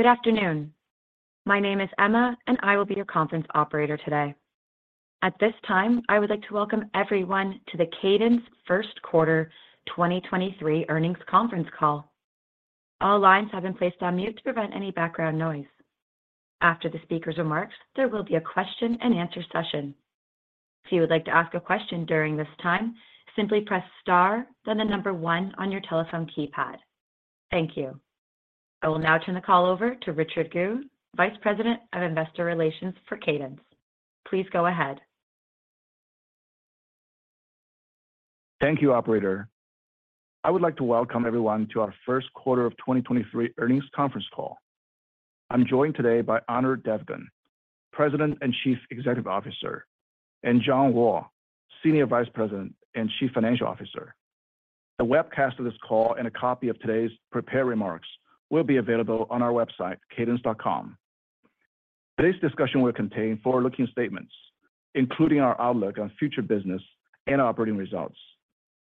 Good afternoon. My name is Emma, and I will be your conference operator today. At this time, I would like to welcome everyone to the Cadence Q1 2023 Earnings Conference Call. All lines have been placed on mute to prevent any background noise. After the speaker's remarks, there will be a Q&A session. If you would like to ask a question during this time, simply press star then the number one on your telephone keypad. Thank you. I will now turn the call over to Richard Gu, Vice President of Investor Relations for Cadence. Please go ahead. Thank you, operator. I would like to welcome everyone to our Q1 of 2023 earnings conference call. I'm joined today by Anirudh Devgan, President and Chief Executive Officer, and John Wall, Senior Vice President and Chief Financial Officer. The webcast of this call and a copy of today's prepared remarks will be available on our website, cadence.com. Today's discussion will contain forward-looking statements, including our outlook on future business and operating results.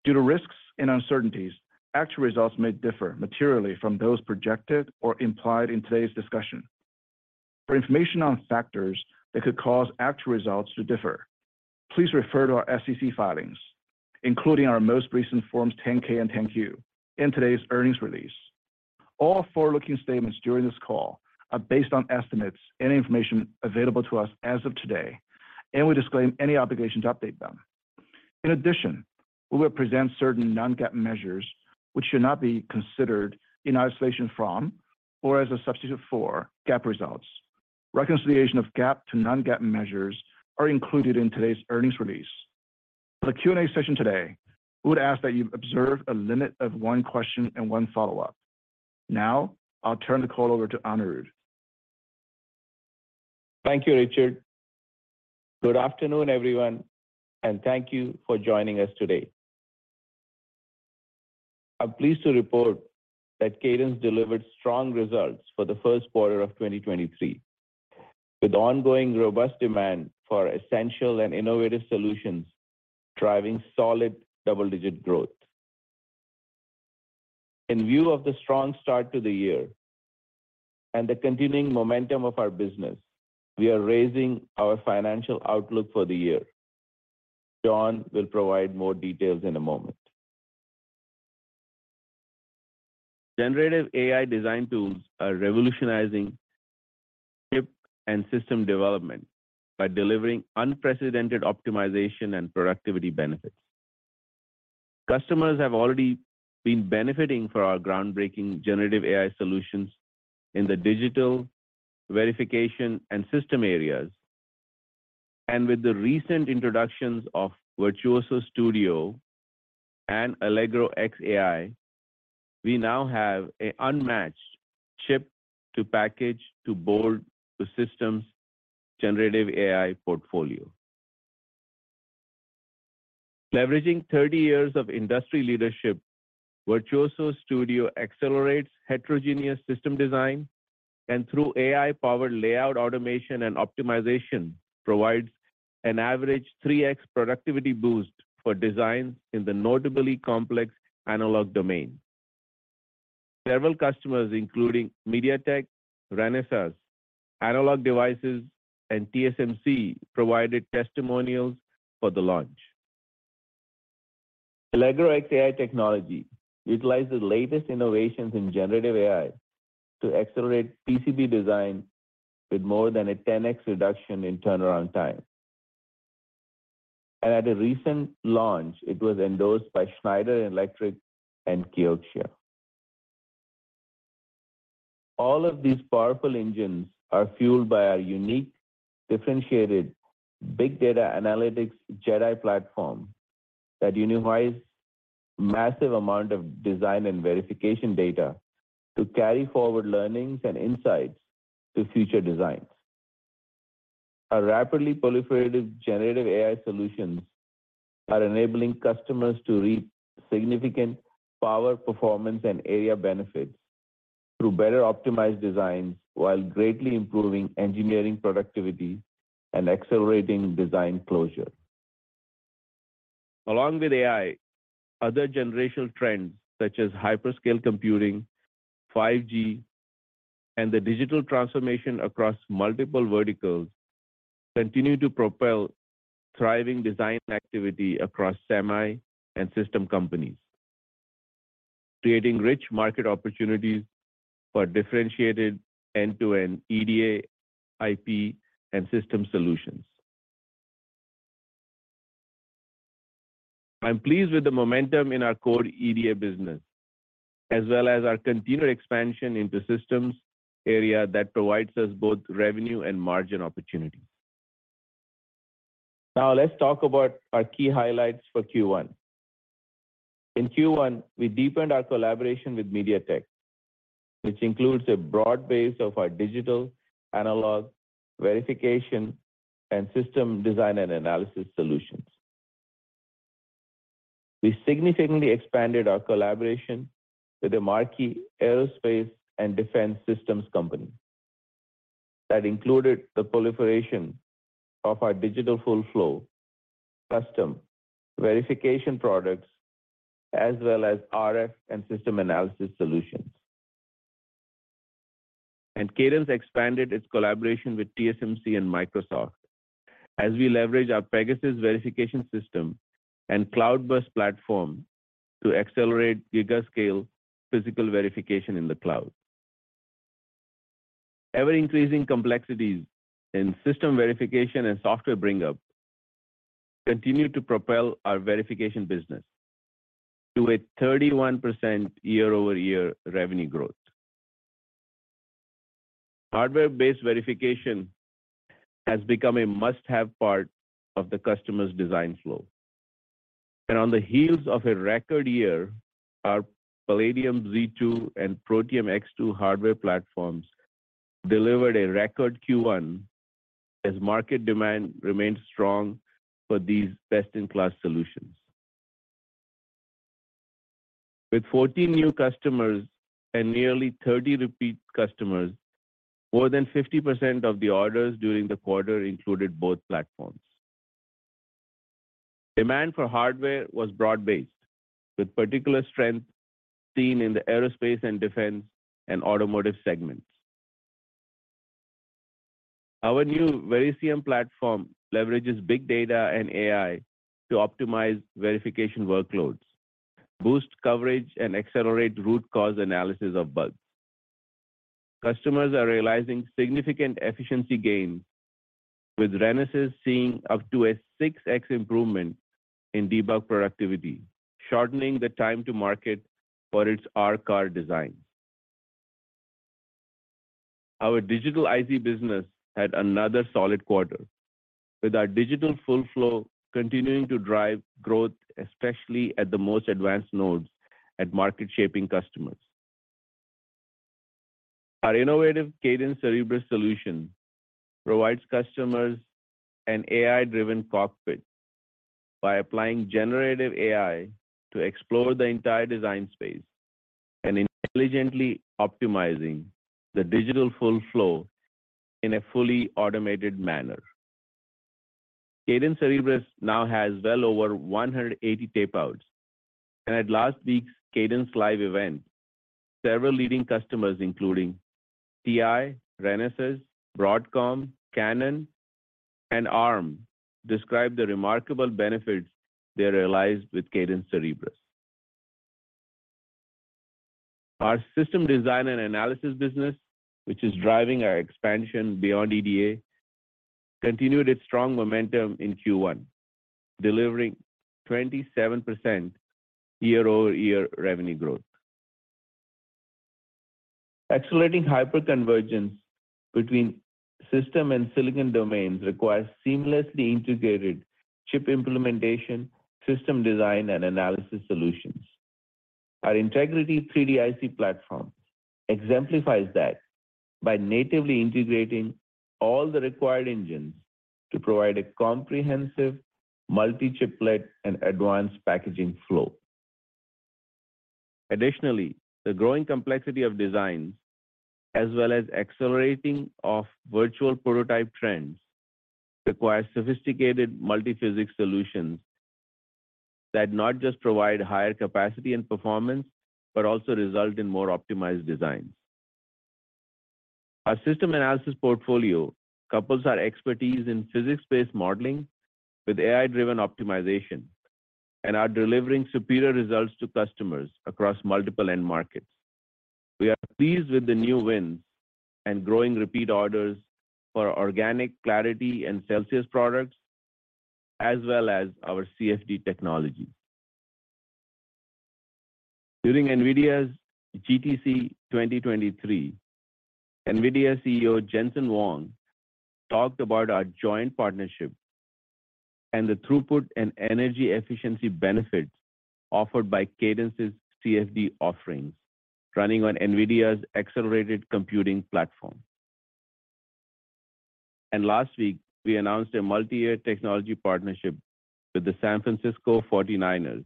Due to risks and uncertainties, actual results may differ materially from those projected or implied in today's discussion. For information on factors that could cause actual results to differ, please refer to our SEC filings, including our most recent Forms 10-K and 10-Q in today's earnings release. All forward-looking statements during this call are based on estimates and information available to us as of today, and we disclaim any obligation to update them. We will present certain non-GAAP measures, which should not be considered in isolation from or as a substitute for GAAP results. Reconciliation of GAAP to non-GAAP measures are included in today's earnings release. For the Q&A session today, we would ask that you observe a limit of one question and one follow-up. I'll turn the call over to Anirudh. Thank you, Richard. Good afternoon, everyone, and thank you for joining us today. I'm pleased to report that Cadence delivered strong results for the Q1 of 2023, with ongoing robust demand for essential and innovative solutions, driving solid double-digit growth. In view of the strong start to the year and the continuing momentum of our business, we are raising our financial outlook for the year. John will provide more details in a moment. Generative AI design tools are revolutionizing chip and system development by delivering unprecedented optimization and productivity benefits. Customers have already been benefiting from our groundbreaking generative AI solutions in the digital verification and system areas. With the recent introductions of Virtuoso Studio and Allegro X AI, we now have an unmatched chip to package to board to systems generative AI portfolio. Leveraging 30 years of industry leadership, Virtuoso Studio accelerates heterogeneous system design, through AI-powered layout automation and optimization, provides an average 3x productivity boost for designs in the notably complex analog domain. Several customers, including MediaTek, Renesas, Analog Devices, and TSMC, provided testimonials for the launch. Allegro X AI technology utilizes latest innovations in generative AI to accelerate PCB design with more than a 10x reduction in turnaround time. At a recent launch, it was endorsed by Schneider Electric and Kyocera. All of these powerful engines are fueled by our unique, differentiated big data analytics JedAI platform that unifies massive amount of design and verification data to carry forward learnings and insights to future designs. Our rapidly proliferative generative AI solutions are enabling customers to reap significant power, performance, and area benefits through better optimized designs while greatly improving engineering productivity and accelerating design closure. AI, other generational trends such as hyperscale computing, 5G, and the digital transformation across multiple verticals continue to propel thriving design activity across semi and system companies, creating rich market opportunities for differentiated end-to-end EDA, IP, and system solutions. I'm pleased with the momentum in our core EDA business, as well as our continued expansion into systems area that provides us both revenue and margin opportunities. Let's talk about our key highlights for Q1. In Q1, we deepened our collaboration with MediaTek, which includes a broad base of our digital, analog, verification, and system design and analysis solutions. We significantly expanded our collaboration with a marquee aerospace and defense systems company. That included the proliferation of our digital full flow, custom verification products, as well as RF and system analysis solutions. Cadence expanded its collaboration with TSMC and Microsoft as we leverage our Pegasus Verification System and CloudBurst platform to accelerate gigascale physical verification in the cloud. Ever-increasing complexities in system verification and software bring up continue to propel our verification business to a 31% year-over-year revenue growth. Hardware-based verification has become a must-have part of the customer's design flow. On the heels of a record year, our Palladium Z2 and Protium X2 hardware platforms delivered a record Q1 as market demand remained strong for these best-in-class solutions. With 40 new customers and nearly 30 repeat customers, more than 50% of the orders during the quarter included both platforms. Demand for hardware was broad-based, with particular strength seen in the aerospace and defense and automotive segments. Our new Verisium platform leverages big data and AI to optimize verification workloads, boost coverage, and accelerate root cause analysis of bugs. Customers are realizing significant efficiency gains, with Renesas seeing up to a 6x improvement in debug productivity, shortening the time to market for its R-Car designs. Our digital IC business had another solid quarter, with our digital full flow continuing to drive growth, especially at the most advanced nodes at market-shaping customers. Our innovative Cadence Cerebrus solution provides customers an AI-driven cockpit by applying generative AI to explore the entire design space and intelligently optimizing the digital full flow in a fully automated manner. Cadence Cerebrus now has well over 180 tape outs, and at last week's CadenceLIVE event, several leading customers, including TI, Renesas, Broadcom, Canon, and Arm, described the remarkable benefits they realized with Cadence Cerebrus. Our system design and analysis business, which is driving our expansion beyond EDA, continued its strong momentum in Q1, delivering 27% year-over-year revenue growth. Accelerating hyperconvergence between system and silicon domains requires seamlessly integrated chip implementation, system design, and analysis solutions. Our Integrity 3D-IC platform exemplifies that by natively integrating all the required engines to provide a comprehensive multi-chiplet and advanced packaging flow. Additionally, the growing complexity of designs, as well as accelerating of virtual prototype trends, require sophisticated multi-physics solutions that not just provide higher capacity and performance, but also result in more optimized designs. Our system analysis portfolio couples our expertise in physics-based modeling with AI-driven optimization and are delivering superior results to customers across multiple end markets. We are pleased with the new wins and growing repeat orders for our organic Clarity and Celsius products, as well as our CFD technology. During NVIDIA's GTC 2023, NVIDIA CEO Jensen Huang talked about our joint partnership and the throughput and energy efficiency benefits offered by Cadence's CFD offerings running on NVIDIA's accelerated computing platform. Last week, we announced a multi-year technology partnership with the San Francisco 49ers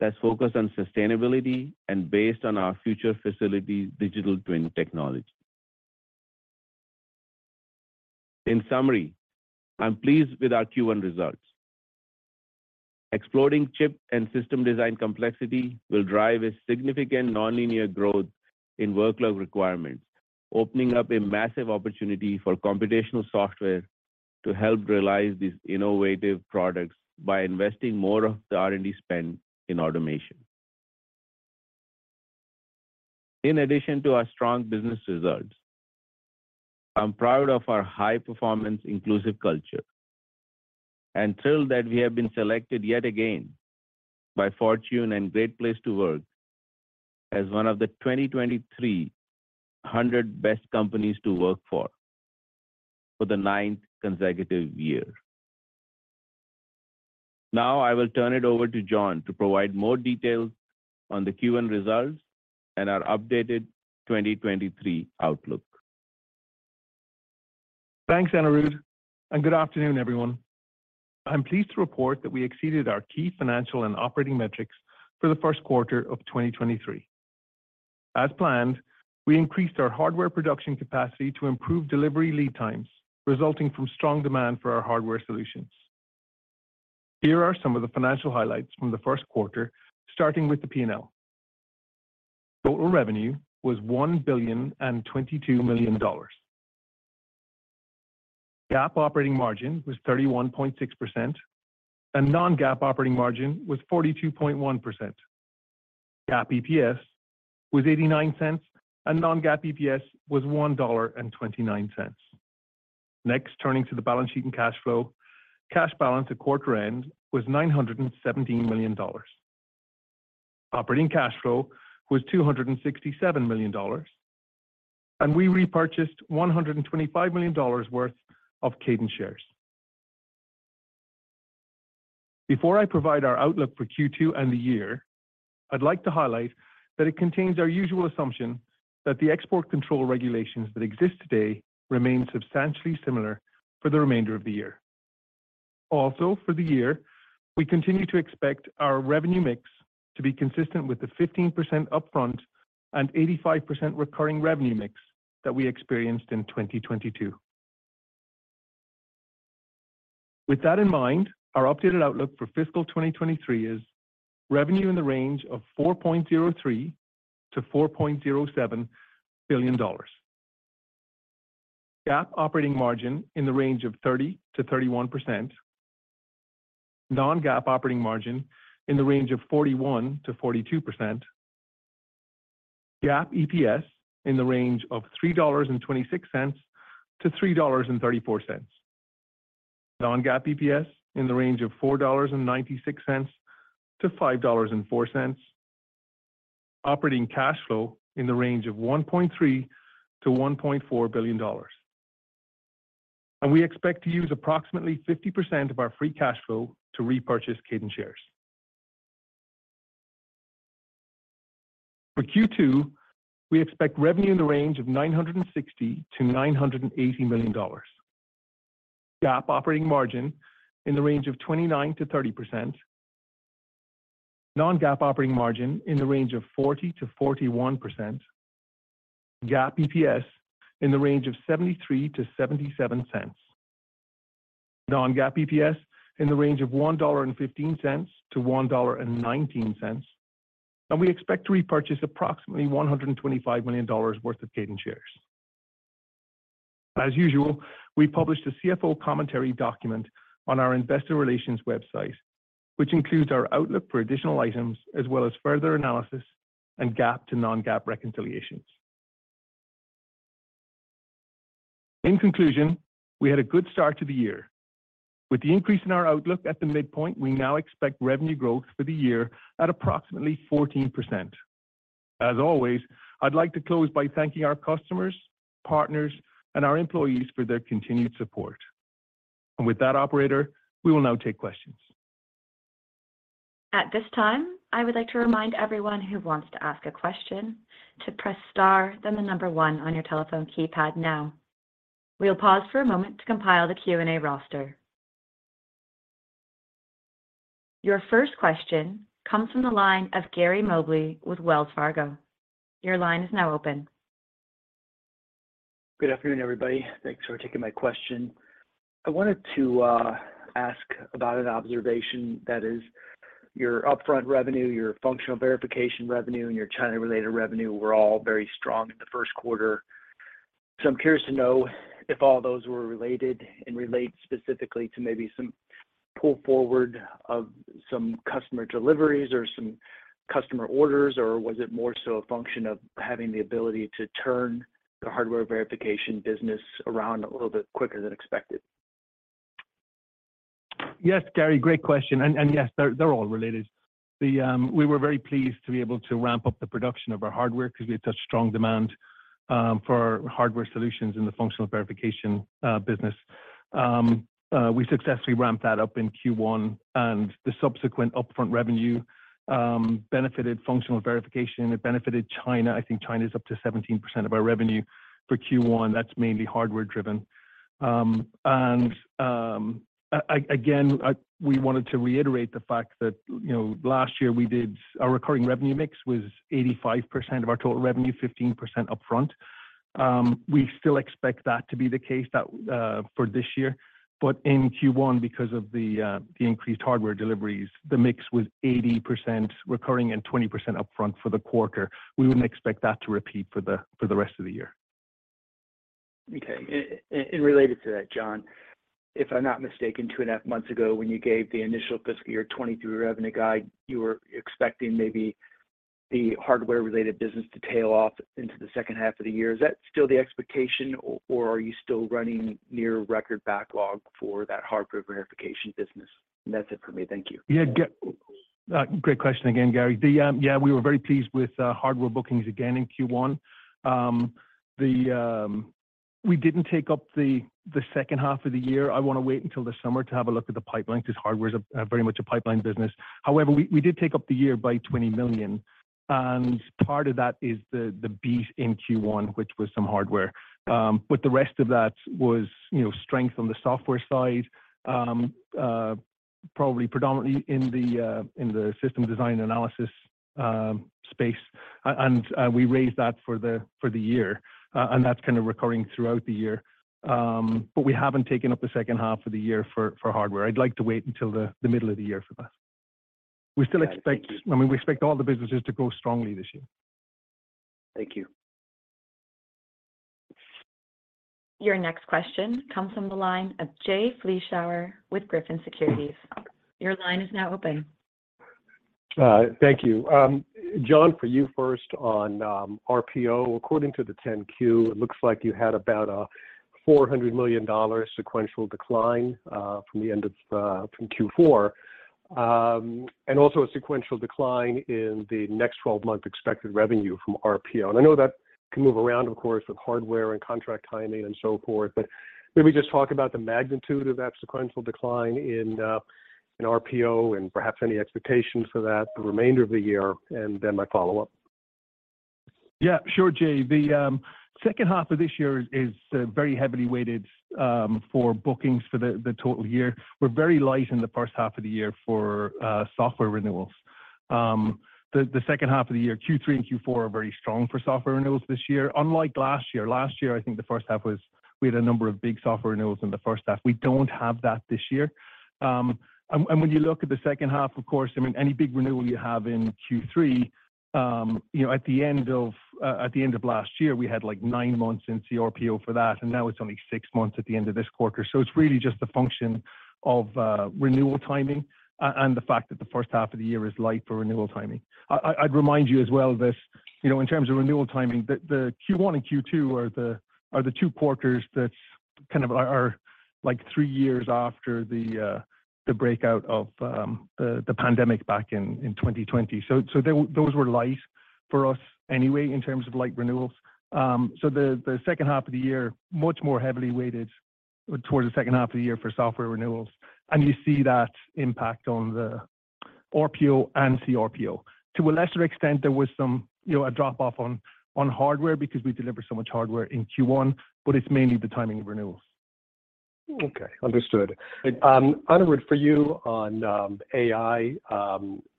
that's focused on sustainability and based on our Future Facilities digital twin technology. In summary, I'm pleased with our Q1 results. Exploding chip and system design complexity will drive a significant nonlinear growth in workload requirements, opening up a massive opportunity for computational software to help realize these innovative products by investing more of the R&D spend in automation. In addition to our strong business results, I'm proud of our high-performance inclusive culture and thrilled that we have been selected yet again by Fortune and Great Place to Work as one of the 2023 100 best companies to work for for the ninth consecutive year. I will turn it over to John to provide more details on the Q1 results and our updated 2023 outlook. Thanks, Anirudh. Good afternoon, everyone. I'm pleased to report that we exceeded our key financial and operating metrics for the Q1 of 2023. As planned, we increased our hardware production capacity to improve delivery lead times, resulting from strong demand for our hardware solutions. Here are some of the financial highlights from the Q1, starting with the P&L. Total revenue was $1,022 million. GAAP operating margin was 31.6%, and non-GAAP operating margin was 42.1%. GAAP EPS was $0.89, and non-GAAP EPS was $1.29. Turning to the balance sheet and cash flow. Cash balance at quarter end was $917 million. Operating cash flow was $267 million, and we repurchased $125 million worth of Cadence shares. Before I provide our outlook for Q2 and the year, I'd like to highlight that it contains our usual assumption that the export control regulations that exist today remain substantially similar for the remainder of the year. For the year, we continue to expect our revenue mix to be consistent with the 15% upfront and 85% recurring revenue mix that we experienced in 2022. With that in mind, our updated outlook for fiscal 2023 is revenue in the range of $4.03 billion to $4.07 billion. GAAP operating margin in the range of 30% to 31%. Non-GAAP operating margin in the range of 41% to 42%. GAAP EPS in the range of $3.26 to $3.34. Non-GAAP EPS in the range of $4.96 to $5.04. Operating cash flow in the range of $1.3 billion to $1.4 billion. We expect to use approximately 50% of our free cash flow to repurchase Cadence shares. For Q2, we expect revenue in the range of $960 million to $980 million. GAAP operating margin in the range of 29% to 30%. Non-GAAP operating margin in the range of 40% to 41%. GAAP EPS in the range of $0.73 to $0.77. Non-GAAP EPS in the range of $1.15 to $1.19. We expect to repurchase approximately $125 million worth of Cadence shares. As usual, we published a CFO commentary document on our investor relations website, which includes our outlook for additional items as well as further analysis and GAAP to non-GAAP reconciliations. In conclusion, we had a good start to the year. With the increase in our outlook at the midpoint, we now expect revenue growth for the year at approximately 14%. As always, I'd like to close by thanking our customers, partners, and our employees for their continued support. With that, operator, we will now take questions. At this time, I would like to remind everyone who wants to ask a question to press star, then one on your telephone keypad now. We'll pause for a moment to compile the Q&A roster. Your first question comes from the line of Gary Mobley with Wells Fargo. Your line is now open. Good afternoon, everybody. Thanks for taking my question. I wanted to ask about an observation, that is your upfront revenue, your functional verification revenue, and your China-related revenue were all very strong in the Q1. I'm curious to know if all those were related and relate specifically to maybe some pull forward of some customer deliveries or some customer orders, or was it more so a function of having the ability to turn the hardware verification business around a little bit quicker than expected? Yes, Gary, great question. Yes, they're all related. We were very pleased to be able to ramp up the production of our hardware because we had such strong demand for hardware solutions in the functional verification business. We successfully ramped that up in Q1, and the subsequent upfront revenue benefited functional verification. It benefited China. I think China is up to 17% of our revenue for Q1. That's mainly hardware-driven. Again, we wanted to reiterate the fact that, you know, last year our recurring revenue mix was 85% of our total revenue, 15% upfront. We still expect that to be the case that for this year. In Q1, because of the increased hardware deliveries, the mix was 80% recurring and 20% upfront for the quarter. We wouldn't expect that to repeat for the rest of the year. Okay. Related to that, John, if I'm not mistaken, two and a half months ago when you gave the initial fiscal year 2023 revenue guide, you were expecting maybe the hardware-related business to tail off into the second half of the year. Is that still the expectation or are you still running near record backlog for that hardware verification business? That's it for me. Thank you. Yeah, great question again, Gary. Yeah, we were very pleased with hardware bookings again in Q1. We didn't take up the second half of the year. I want to wait until the summer to have a look at the pipeline because hardware is very much a pipeline business. However, we did take up the year by $20 million, and part of that is the beat in Q1, which was some hardware. The rest of that was, you know, strength on the software side. Probably predominantly in the system design analysis space. We raised that for the year. That's kind of recurring throughout the year. We haven't taken up the second half of the year for hardware. I'd like to wait until the middle of the year for that. Got it. Thank you. We still I mean, we expect all the businesses to grow strongly this year. Thank you. Your next question comes from the line of Jay Vleeschhouwer with Griffin Securities. Your line is now open. Thank you. John, for you first on RPO. According to the Form 10-Q, it looks like you had about a $400 million sequential decline from the end of from Q4. Also a sequential decline in the next 12-month expected revenue from RPO. I know that can move around, of course, with hardware and contract timing and so forth, but maybe just talk about the magnitude of that sequential decline in RPO and perhaps any expectations for that the remainder of the year. Then my follow-up. Yeah, sure, Jay. The second half of this year is very heavily weighted for bookings for the total year. We're very light in the first half of the year for software renewals. The second half of the year, Q3 and Q4, are very strong for software renewals this year. Unlike last year. Last year, I think the first half we had a number of big software renewals in the first half. We don't have that this year. When you look at the second half, of course, I mean, any big renewal you have in Q3, you know, at the end of last year, we had, like, 9 months in CRPO for that, and now it's only six months at the end of this quarter. It's really just a function of renewal timing and the fact that the first half of the year is light for renewal timing. I'd remind you as well that, you know, in terms of renewal timing, the Q1 and Q2 are the two quarters that kind of are like three years after the breakout of the pandemic back in 2020. Those were light for us anyway in terms of light renewals. The second half of the year, much more heavily weighted towards the second half of the year for software renewals, and you see that impact on the RPO and CRPO. To a lesser extent, there was some, you know, a drop off on hardware because we deliver so much hardware in Q1, but it's mainly the timing of renewals. Okay. Understood. Great. Anirudh, for you on AI,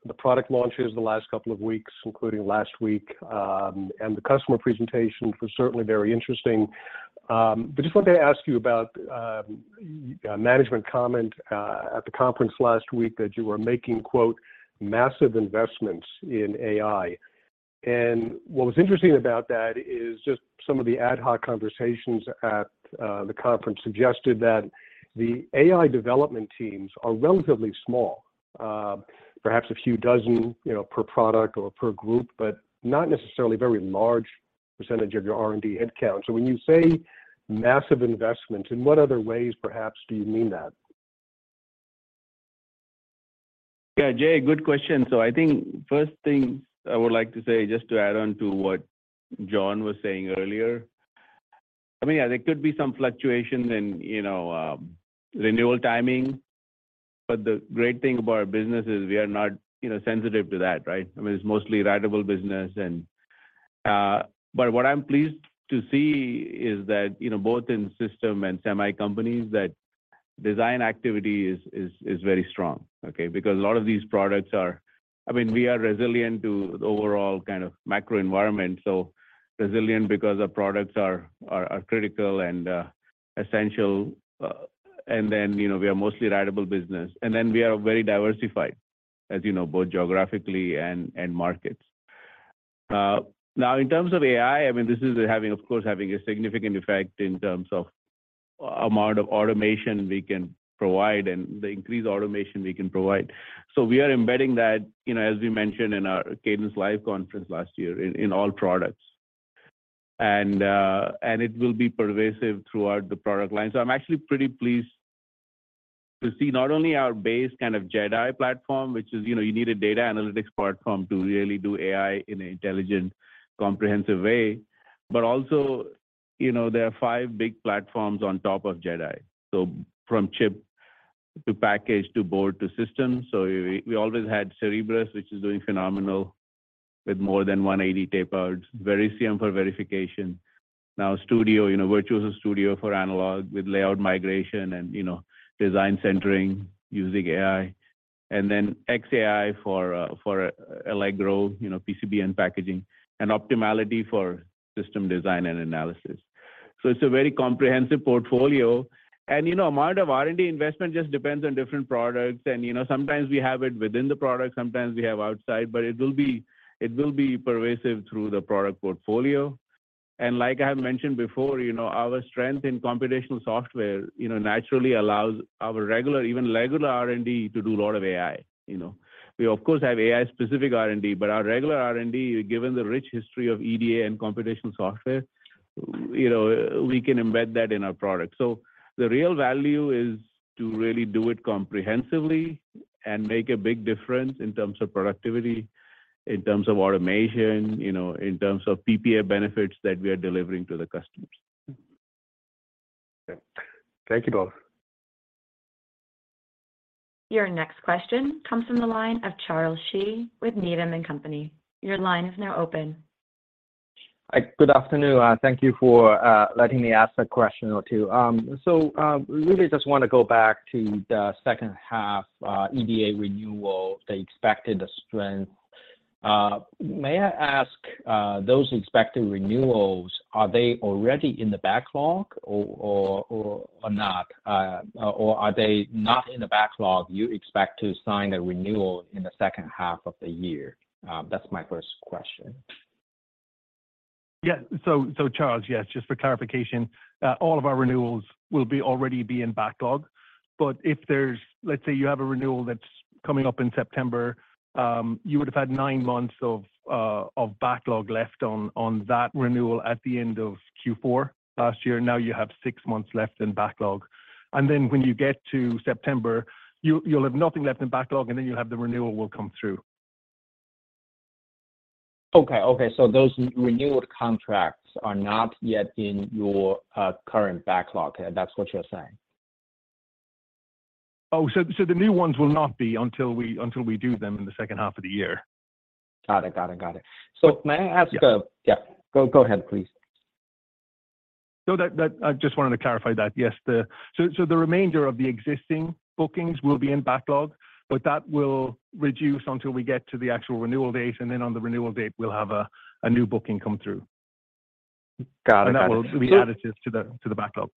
the product launches the last couple of weeks, including last week, and the customer presentation was certainly very interesting. Just wanted to ask you about management comment at the conference last week that you were making, quote, "massive investments in AI." What was interesting about that is just some of the ad hoc conversations at the conference suggested that the AI development teams are relatively small, perhaps a few dozen, you know, per product or per group, but not necessarily a very large percentage of your R&D head count. When you say massive investment, in what other ways perhaps do you mean that? Yeah. Jay, good question. First thing I would like to say, just to add on to what John was saying earlier, I mean, yeah, there could be some fluctuation and, you know, renewal timing, but the great thing about our business is we are not, you know, sensitive to that, right? I mean, it's mostly ratable business and. What I'm pleased to see is that, you need a data analytics platform to really do AI in an intelligent, comprehensive way. Also, you know, there are five big platforms on top of JedAI. From chip to package to board to system. We always had Cerebrus, which is doing phenomenal with more than one ASIC tape outs, Verisium for verification. Now Virtuoso Studio for analog with layout migration and, you know, design centering using AI. Then XAI for Allegro, you know, PCB packaging and Optimality for system design and analysis. It's a very comprehensive portfolio. Amount of R&D investment just depends on different products. Sometimes we have it within the product, sometimes we have outside, but it will be pervasive through the product portfolio. Like I have mentioned before, you know, our strength in computational software, you know, naturally allows our regular, even regular R&D to do a lot of AI. You know. We of course have AI specific R&D, but our regular R&D, given the rich history of EDA and computational software, you know, we can embed that in our product. The real value is to really do it comprehensively and make a big difference in terms of productivity, in terms of automation, you know, in terms of PPA benefits that we are delivering to the customers. Thank you, both. Your next question comes from the line of Charles Shi with Needham & Company. Your line is now open. Good afternoon. Thank you for letting me ask a question or two. Really just wanna go back to the second half EDA renewal, the expected strength. May I ask, those expected renewals, are they already in the backlog or not? Or are they not in the backlog you expect to sign a renewal in the second half of the year? That's my first question. Yeah. Charles, yes, just for clarification, all of our renewals will be already be in backlog. Let's say you have a renewal that's coming up in September, you would have had nine months of backlog left on that renewal at the end of Q4 last year. Now you have six months left in backlog. Then when you get to September, you'll have nothing left in backlog, and then you'll have the renewal will come through. Okay, okay. Those renewed contracts are not yet in your current backlog. That's what you're saying? Oh, the new ones will not be until we do them in the second half of the year. Got it, got it, got it. May I ask Yeah. Yeah. Go ahead, please. That. I just wanted to clarify that. Yes, the remainder of the existing bookings will be in backlog, but that will reduce until we get to the actual renewal date, and then on the renewal date, we'll have a new booking come through. Got it. Got it. That will be additive to the backlog.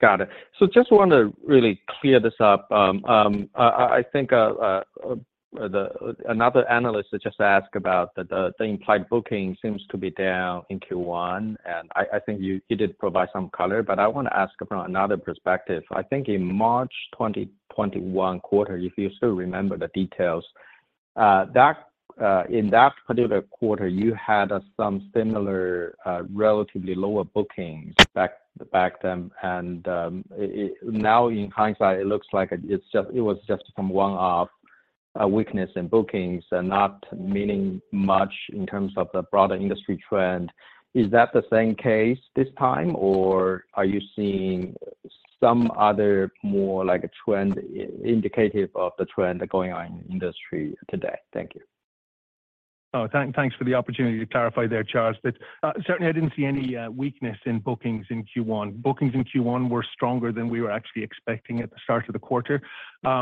Got it. Just want to really clear this up. I think another analyst just asked about the implied booking seems to be down in Q1, and I think you did provide some color, but I want to ask from another perspective. I think in March 2021 quarter, if you still remember the details, that in that particular quarter, you had some similar, relatively lower bookings back then. Now in hindsight, it looks like it's just, it was just some one-off weakness in bookings and not meaning much in terms of the broader industry trend. Is that the same case this time, or are you seeing some other more like a trend, indicative of the trend going on in industry today? Thank you. Thanks for the opportunity to clarify there, Charles. Certainly I didn't see any weakness in bookings in Q1. Bookings in Q1 were stronger than we were actually expecting at the start of the quarter. What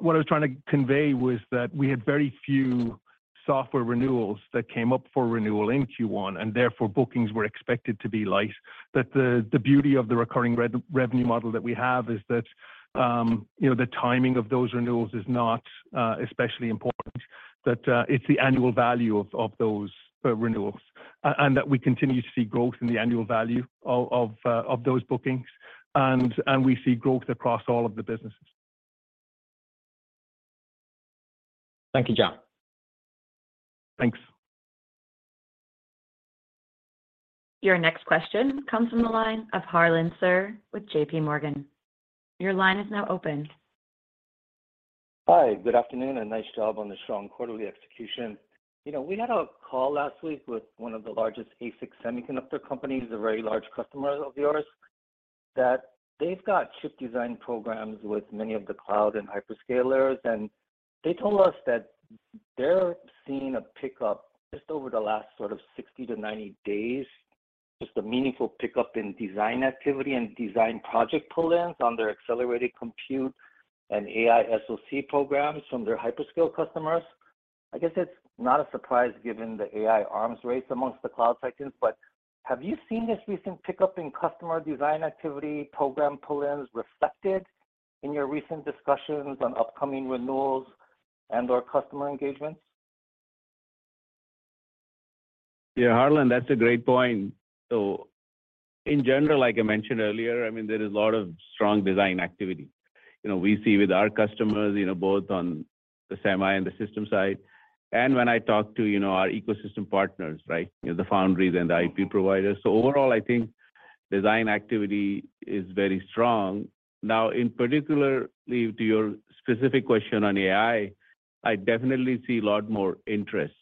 I was trying to convey was that we had very few software renewals that came up for renewal in Q1, and therefore bookings were expected to be light. The beauty of the recurring revenue model that we have is that, you know, the timing of those renewals is not especially important, that it's the annual value of those renewals, and that we continue to see growth in the annual value of those bookings, and we see growth across all of the businesses. Thank you, John. Thanks. Your next question comes from the line of Harlan Sur with JPMorgan. Your line is now open. Hi, good afternoon, nice job on the strong quarterly execution. You know, we had a call last week with one of the largest ASIC semiconductor companies, a very large customer of yours, that they've got chip design programs with many of the cloud and hyperscalers, they told us that they're seeing a pickup just over the last sort of 60 to 90 days, just a meaningful pickup in design activity and design project pull-ins on their accelerated compute and AI SoC programs from their hyperscale customers. I guess it's not a surprise given the AI arms race amongst the cloud titans, have you seen this recent pickup in customer design activity, program pull-ins reflected in your recent discussions on upcoming renewals and/or customer engagements? Yeah, Harlan, that's a great point. In general, like I mentioned earlier, I mean, there is a lot of strong design activity. You know, we see with our customers, you know, both on the semi and the system side, and when I talk to, you know, our ecosystem partners, right? You know, the foundries and the IP providers. Overall, I think design activity is very strong. Now, in particular to your specific question on AI, I definitely see a lot more interest.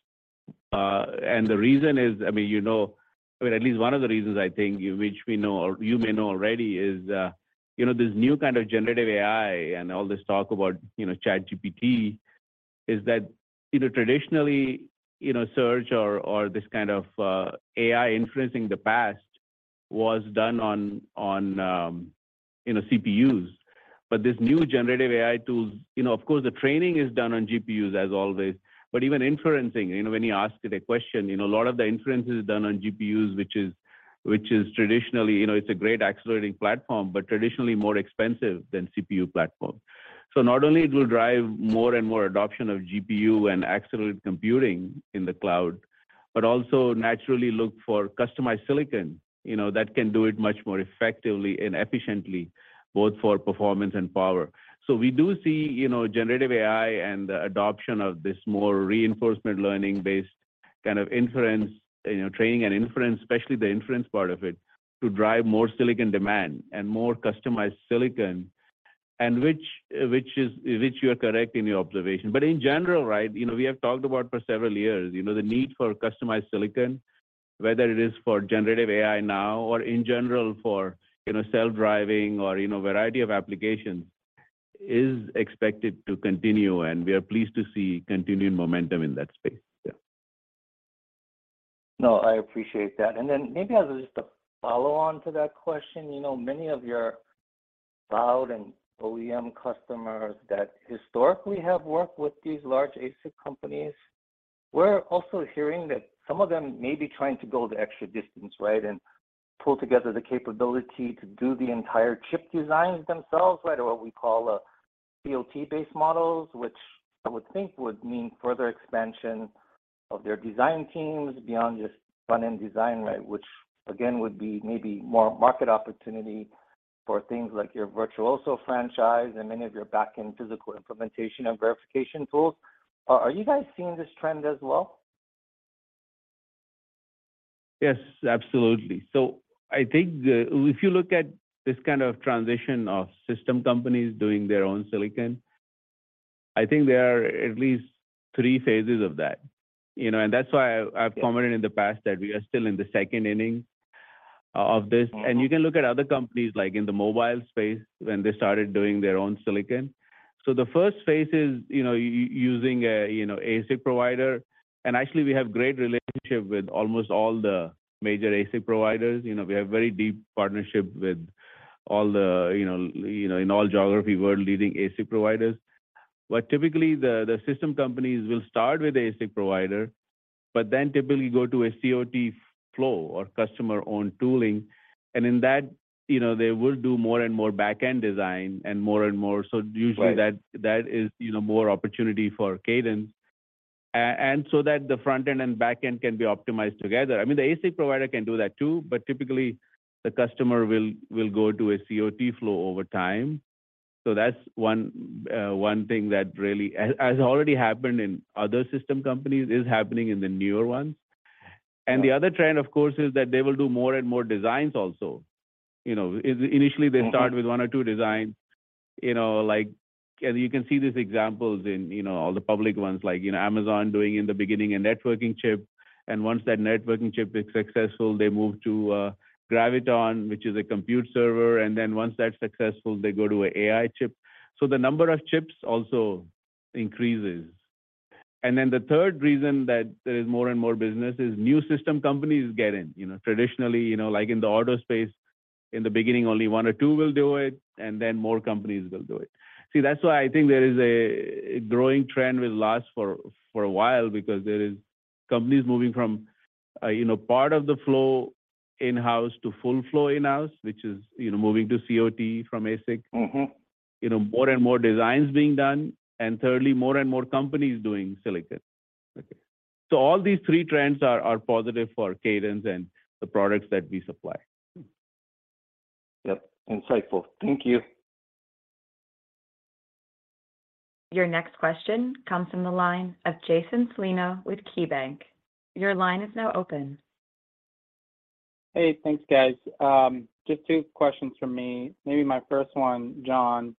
The reason is, I mean, you know, I mean, at least one of the reasons I think, which we know or you may know already is, you know, this new kind of generative AI and all this talk about, you know, ChatGPT is that, you know, traditionally, you know, search or this kind of, AI influencing the past was done on, you know, CPUs. This new generative AI tools, you know, of course the training is done on GPUs as always, but even inferencing, you know, when you ask it a question, you know, a lot of the inference is done on GPUs, which is traditionally, you know, it's a great accelerating platform, but traditionally more expensive than CPU platform. Not only it will drive more and more adoption of GPU and accelerate computing in the cloud, but also naturally look for customized silicon, you know, that can do it much more effectively and efficiently, both for performance and power. We do see, you know, generative AI and the adoption of this more reinforcement learning-based kind of inference, you know, training and inference, especially the inference part of it, to drive more silicon demand and more customized silicon, and which is which you are correct in your observation. In general, right, you know, we have talked about for several years, you know, the need for customized silicon, whether it is for generative AI now or in general for, you know, self-driving or, you know, variety of applications is expected to continue, and we are pleased to see continued momentum in that space. Yeah. No, I appreciate that. Maybe as just a follow on to that question, you know, many of your cloud and OEM customers that historically have worked with these large ASIC companies, we're also hearing that some of them may be trying to go the extra distance, right? Pull together the capability to do the entire chip designs themselves, right, or what we call COT-based models, which I would think would mean further expansion of their design teams beyond just front-end design, right? Which again, would be maybe more market opportunity for things like your Virtuoso franchise and many of your back-end physical implementation and verification tools. Are you guys seeing this trend as well? Yes, absolutely. If you look at this kind of transition of system companies doing their own silicon, I think there are at least three phases of that, you know. That's why I've commented in the past that we are still in the second inning of this. Mm-hmm. You can look at other companies, like in the mobile space, when they started doing their own silicon. The first phase is, you know, using a, you know, ASIC provider. Actually we have great relationship with almost all the major ASIC providers. You know, we have very deep partnership with all the, you know, in all geography world-leading ASIC providers. Typically the system companies will start with ASIC provider, but then typically go to a COT flow or customer-owned tooling. In that, you know, they will do more and more back-end design and more and more. Right That is, you know, more opportunity for Cadence. That the front end and back end can be optimized together. I mean, the ASIC provider can do that too, but typically the customer will go to a COT flow over time. That's one thing that really has already happened in other system companies, is happening in the newer ones. Right. And the other thing, of course, is that they will do more and more designs also. You know, initially they start with one or two designs. You know, like, and you can see these examples in, you know, all the public ones like, you know, Amazon doing in the beginning a networking chip. Once that networking chip is successful, they move to Graviton, which is a compute server. Then once that's successful, they go to an AI chip. The number of chips also increases. The third reason that there is more and more business is new system companies get in. You know, traditionally, you know, like in the auto space, in the beginning only one or two will do it, and then more companies will do it See, that's why I think there is a growing trend will last for a while because there is companies moving from, you know, part of the flow in-house to full flow in-house, which is, you know, moving to COT from ASIC. Mm-hmm. You know, more and more designs being done. Thirdly, more and more companies doing silicon. Okay. All these three trends are positive for Cadence and the products that we supply. Yep. Insightful. Thank you. Your next question comes from the line of Jason Celino with KeyBanc. Your line is now open. Hey, thanks guys. Just two questions from me. Maybe my first one, John,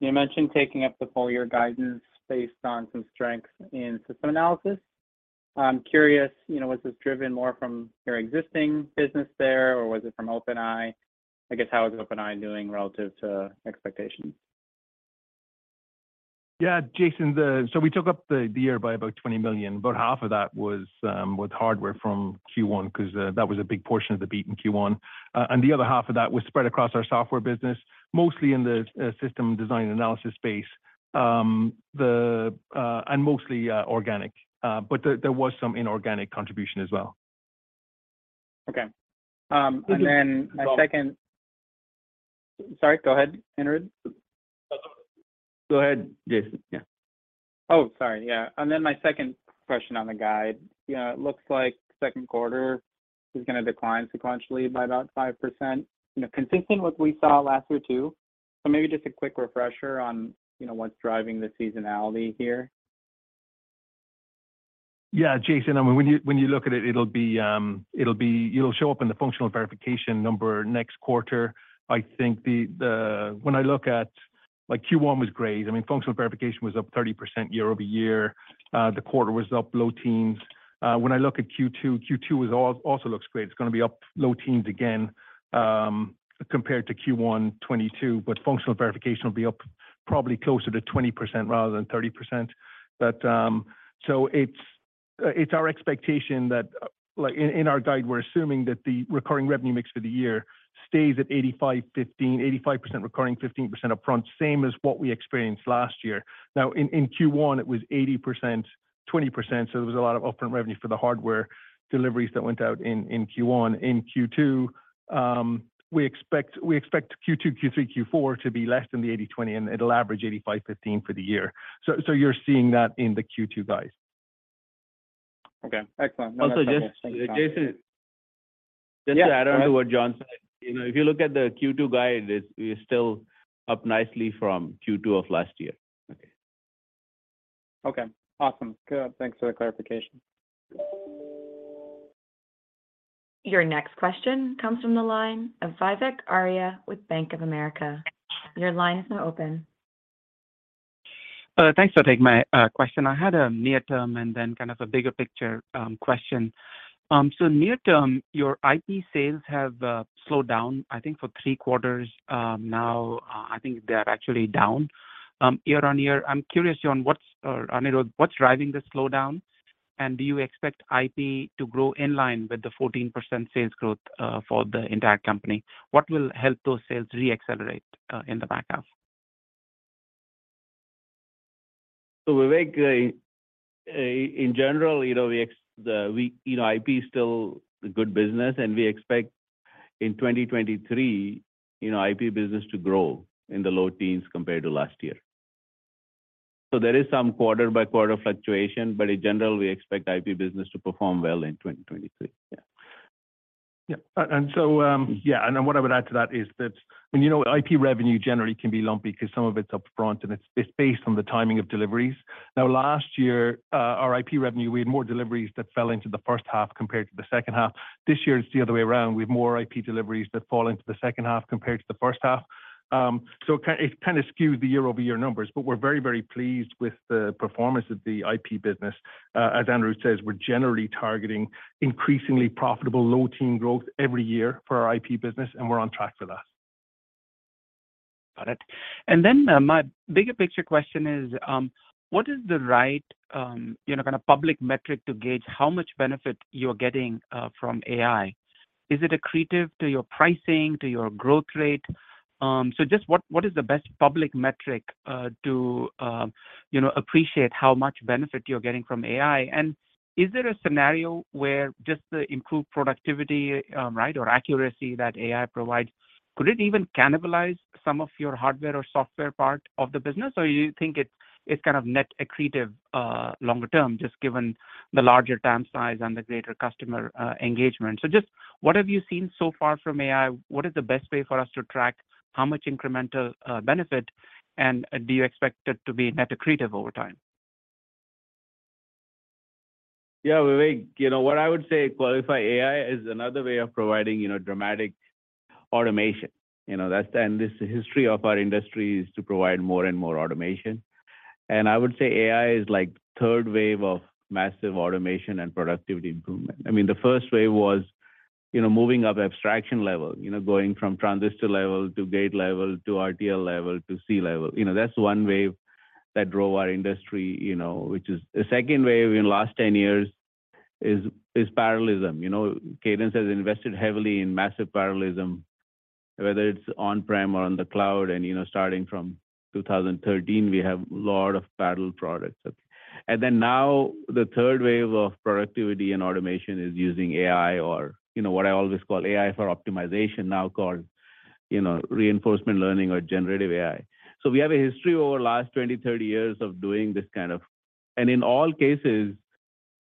you mentioned taking up the full year guidance based on some strength in system analysis. I'm curious, you know, was this driven more from your existing business there, or was it from OpenEye? I guess, how is OpenEye doing relative to expectations? Yeah, Jason, we took up the year by about $20 million. About half of that was hardware from Q1, 'cause that was a big portion of the beat in Q1. The other half of that was spread across our software business, mostly in the System Design Analysis space. Mostly organic. There was some inorganic contribution as well. Okay. Go- Sorry, go ahead, Anirudh. Go ahead, Jason. Yeah. Oh, sorry. Yeah. My second question on the guide. You know, it looks like Q2 is gonna decline sequentially by about 5%, you know, consistent with we saw last year too. Maybe just a quick refresher on, you know, what's driving the seasonality here? Yeah, Jason, I mean, when you, when you look at it'll show up in the functional verification number next quarter. I think when I look at, like Q1 was great. I mean, functional verification was up 30% year-over-year. The quarter was up low teens. When I look at Q2 was also looks great. It's gonna be up low teens again, compared to Q1 2022, but functional verification will be up probably closer to 20% rather than 30%. It's our expectation that, like in our guide, we're assuming that the recurring revenue mix for the year stays at 85/15, 85% recurring, 15% upfront, same as what we experienced last year. In Q1, it was 80%, 20%, so there was a lot of upfront revenue for the hardware deliveries that went out in Q1. In Q2, we expect Q2, Q3, Q4 to be less than the 80/20, and it'll average 85/15 for the year. You're seeing that in the Q2 guides. Okay. Excellent. Also. Thanks, John. Jason. Yeah. Just to add on to what John said. You know, if you look at the Q2 guide, it's we're still up nicely from Q2 of last year. Okay. Okay, awesome. Good. Thanks for the clarification. Your next question comes from the line of Vivek Arya with Bank of America. Your line is now open. Thanks for taking my question. I had a near term and then kind of a bigger picture question. Near term, your IP sales have slowed down, I think, for three quarters now. I think they are actually down year-over-year. I'm curious on what's driving this slowdown, Anirudh. Do you expect IP to grow in line with the 14% sales growth for the entire company? What will help those sales re-accelerate in the back half? Vivek, in general, you know, we, you know, IP is still good business, and we expect in 2023, you know, IP business to grow in the low teens compared to last year. There is some quarter-by-quarter fluctuation, but in general, we expect IP business to perform well in 2023. Yeah. Yeah. Yeah. Then what I would add to that is that when, you know, IP revenue generally can be lumpy because some of it's upfront and it's based on the timing of deliveries. Last year, our IP revenue, we had more deliveries that fell into the first half compared to the second half. This year it's the other way around. We have more IP deliveries that fall into the second half compared to the first half. It kind of skewed the year-over-year numbers. We're very, very pleased with the performance of the IP business. As Anirudh says, we're generally targeting increasingly profitable low teen growth every year for our IP business, and we're on track for that. Got it. Then, my bigger picture question is, what is the right, you know, kind of public metric to gauge how much benefit you're getting from AI? Is it accretive to your pricing, to your growth rate? Just what is the best public metric to, you know, appreciate how much benefit you're getting from AI? Is there a scenario where just the improved productivity, right, or accuracy that AI provides, could it even cannibalize some of your hardware or software part of the business, or you think it's kind of net accretive longer term, just given the larger TAM size and the greater customer engagement? Just what have you seen so far from AI? What is the best way for us to track how much incremental benefit, and do you expect it to be net accretive over time? Yeah. Vivek, you know, what I would say qualify AI is another way of providing, you know, dramatic automation. You know, that's the history of our industry is to provide more and more automation. I would say AI is like third wave of massive automation and productivity improvement. I mean, the first wave was, you know, moving up abstraction level, you know, going from transistor level to gate level to RTL level to C level. You know, that's one wave that drove our industry, you know. The second wave in last 10 years is parallelism. You know, Cadence has invested heavily in massive parallelism, whether it's on-prem or on the cloud. You know, starting from 2013, we have lot of parallel products. Okay. Now the third wave of productivity and automation is using AI or, you know, what I always call AI for optimization, now called, you know, reinforcement learning or generative AI. We have a history over last 20, 30 years of doing this kind of. In all cases,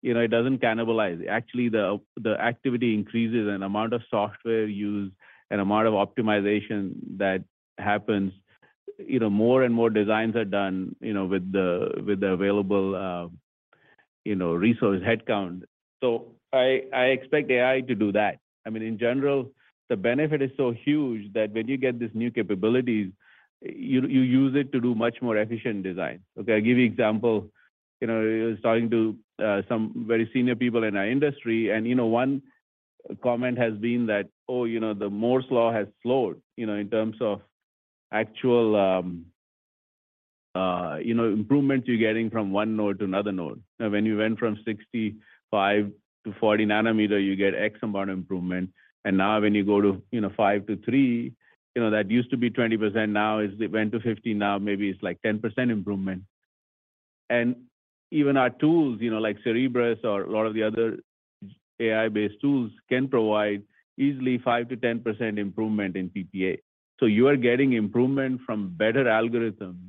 you know, it doesn't cannibalize. Actually the activity increases and amount of software used and amount of optimization that happens, you know, more and more designs are done, you know, with the available, you know, resource headcount. I expect AI to do that. I mean, in general, the benefit is so huge that when you get these new capabilities, you use it to do much more efficient design. Okay, I'll give you example. You know, talking to some very senior people in our industry, you know, one comment has been that, "Oh, you know, Moore's law has slowed," you know, in terms of actual, you know, improvement you're getting from one node to another node. Now, when you went from 65 to 40 nanometer, you get X amount of improvement. Now when you go to, you know, five to three, you know, that used to be 20% now is it went to 15, now maybe it's like 10% improvement. Even our tools, you know, like Cerebrus or a lot of the other AI-based tools can provide easily 5% to 10% improvement in PPA. You are getting improvement from better algorithms,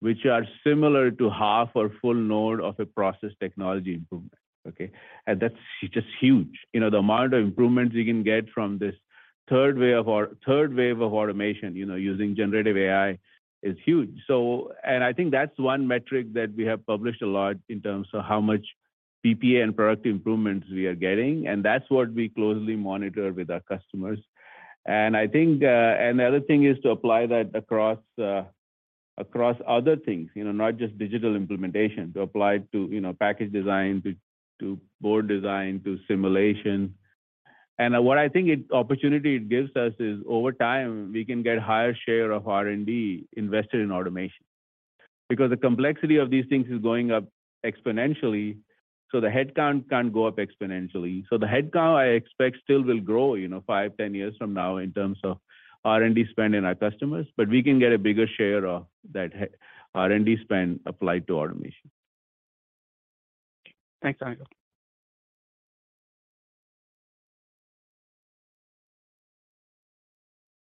which are similar to half or full node of a process technology improvement. Okay? That's just huge. You know, the amount of improvements you can get from this third wave of automation, you know, using generative AI is huge. I think that's one metric that we have published a lot in terms of how much PPA and product improvements we are getting, and that's what we closely monitor with our customers. I think, and the other thing is to apply that across other things, you know, not just digital implementation, to apply to, you know, package design, to board design, to simulation. What I think it opportunity it gives us is over time, we can get higher share of R&D invested in automation. Because the complexity of these things is going up exponentially, so the headcount can't go up exponentially. The headcount I expect still will grow, you know, 5 to 10 years from now in terms of R&D spend in our customers, but we can get a bigger share of that R&D spend applied to automation. Thanks, Anirudh.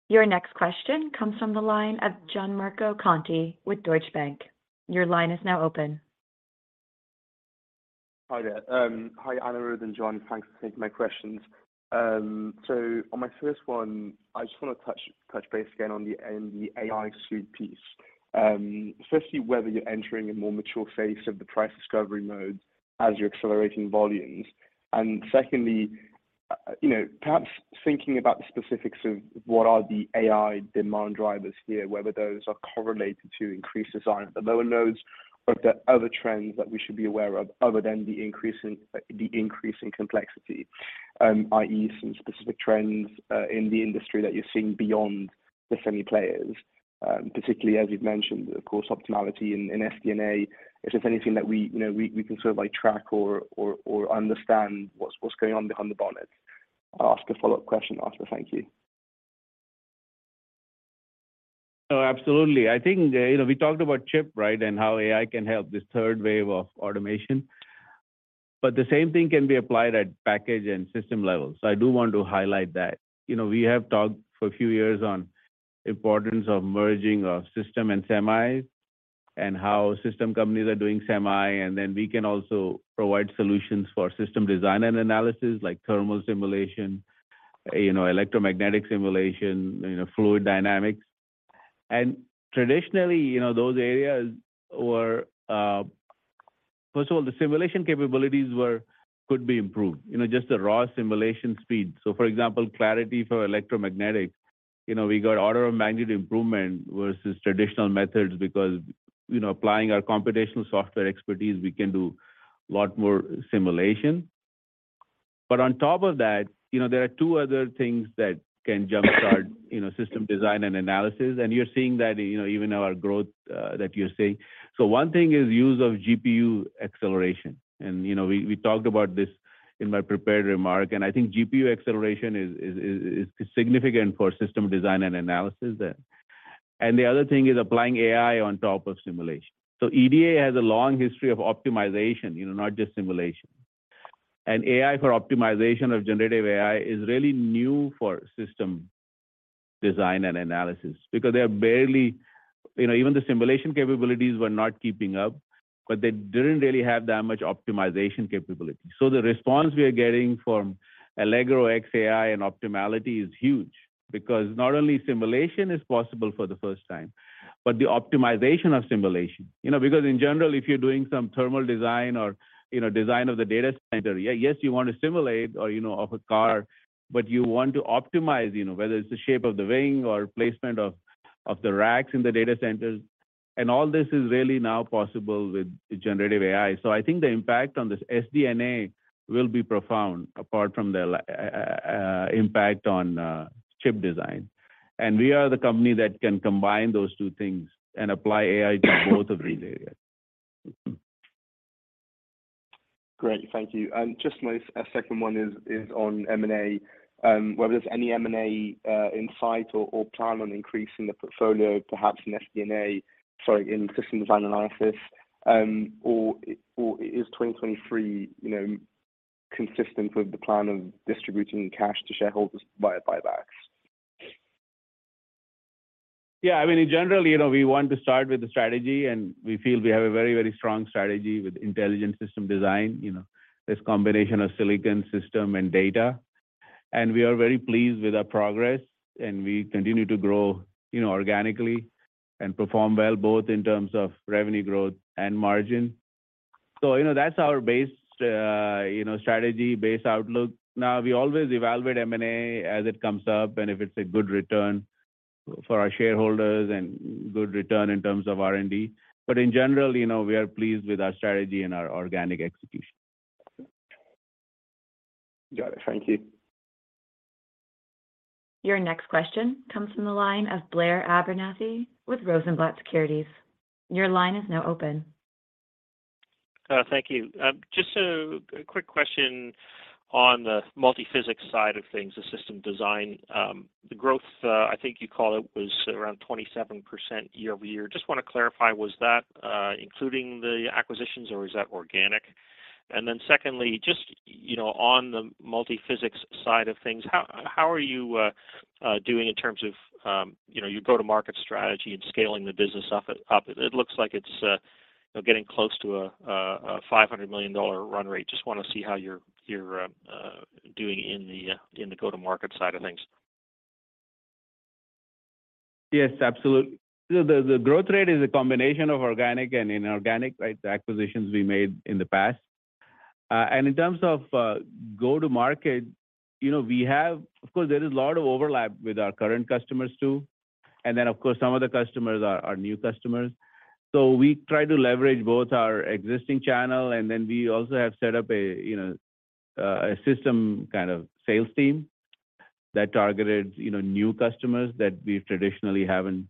Your next question comes from the line of Gianmarco Conti with Deutsche Bank. Your line is now open. Hi there. Hi Anirudh and John. Thanks for taking my questions. On my first one, I just want to touch base again on the AI suite piece. Firstly, whether you're entering a more mature phase of the price discovery mode as you're accelerating volumes. Secondly, you know, perhaps thinking about the specifics of what are the AI demand drivers here, whether those are correlated to increases on the lower nodes or if there are other trends that we should be aware of other than the increase in complexity, i.e., some specific trends, in the industry that you're seeing beyond the semi players. Particularly as you've mentioned, of course, Optimality in sDNA, is this anything that we, you know, we can sort of like track or understand what's going on behind the bonnet? I'll ask a follow-up question after. Thank you. Oh, absolutely. I think, you know, we talked about chip, right? How AI can help this third wave of automation. The same thing can be applied at package and system level. I do want to highlight that. You know, we have talked for a few years on importance of merging of system and semis and how system companies are doing semi, and then we can also provide solutions for system design and analysis like thermal simulation, you know, electromagnetic simulation, you know, fluid dynamics. Traditionally, you know, those areas were, First of all, the simulation capabilities could be improved. You know, just the raw simulation speed. For example, Clarity for electromagnetic, you know, we got order of magnitude improvement versus traditional methods because, you know, applying our computational software expertise, we can do a lot more simulation. On top of that, you know, there are two other things that can jumpstart, you know, system design and analysis. You're seeing that, you know, even our growth that you're seeing. One thing is use of GPU acceleration. You know, we talked about this in my prepared remark, and I think GPU acceleration is significant for system design and analysis there. The other thing is applying AI on top of simulation. EDA has a long history of optimization, you know, not just simulation. AI for optimization of generative AI is really new for system design and analysis because they are barely... You know, even the simulation capabilities were not keeping up, but they didn't really have that much optimization capability. The response we are getting from Allegro X AI and Optimality is huge because not only simulation is possible for the first time, but the optimization of simulation. You know, because in general, if you're doing some thermal design or, you know, design of the data center, yes, you want to simulate or, you know, of a car, but you want to optimize, you know. Whether it's the shape of the wing or placement of the racks in the data centers. All this is really now possible with generative AI. I think the impact on this sDNA will be profound apart from the impact on chip design. We are the company that can combine those two things and apply AI to both of these areas. Great. Thank you. Just my second one is on M&A, whether there's any M&A insight or plan on increasing the portfolio, perhaps in sDNA, sorry, in system design analysis, or is 2023, you know, consistent with the plan of distributing cash to shareholders via buybacks? Yeah. I mean, in general, you know, we want to start with the strategy, and we feel we have a very, very strong strategy with intelligent system design, you know. This combination of silicon system and data. We are very pleased with our progress, and we continue to grow, you know, organically and perform well both in terms of revenue growth and margin. That's our base, you know, strategy, base outlook. Now we always evaluate M&A as it comes up and if it's a good return for our shareholders and good return in terms of R&D. In general, you know, we are pleased with our strategy and our organic execution. Got it. Thank you. Your next question comes from the line of Blair Abernethy with Rosenblatt Securities. Your line is now open. Thank you. Just a quick question on the multi-physics side of things, the system design. The growth, I think you called it, was around 27% year-over-year. Just want to clarify, was that including the acquisitions or is that organic? Secondly, just, you know, on the multi-physics side of things, how are you doing in terms of, you know, your go-to-market strategy and scaling the business up? It looks like it's, you know, getting close to a $500 million run rate. Just want to see how you're doing in the go-to-market side of things. Yes, absolutely. The growth rate is a combination of organic and inorganic, right? The acquisitions we made in the past. In terms of go to market, you know, of course, there is a lot of overlap with our current customers too. Of course, some of the customers are new customers. We try to leverage both our existing channel, and then we also have set up a, you know, a system kind of sales team that targeted, you know, new customers that we traditionally haven't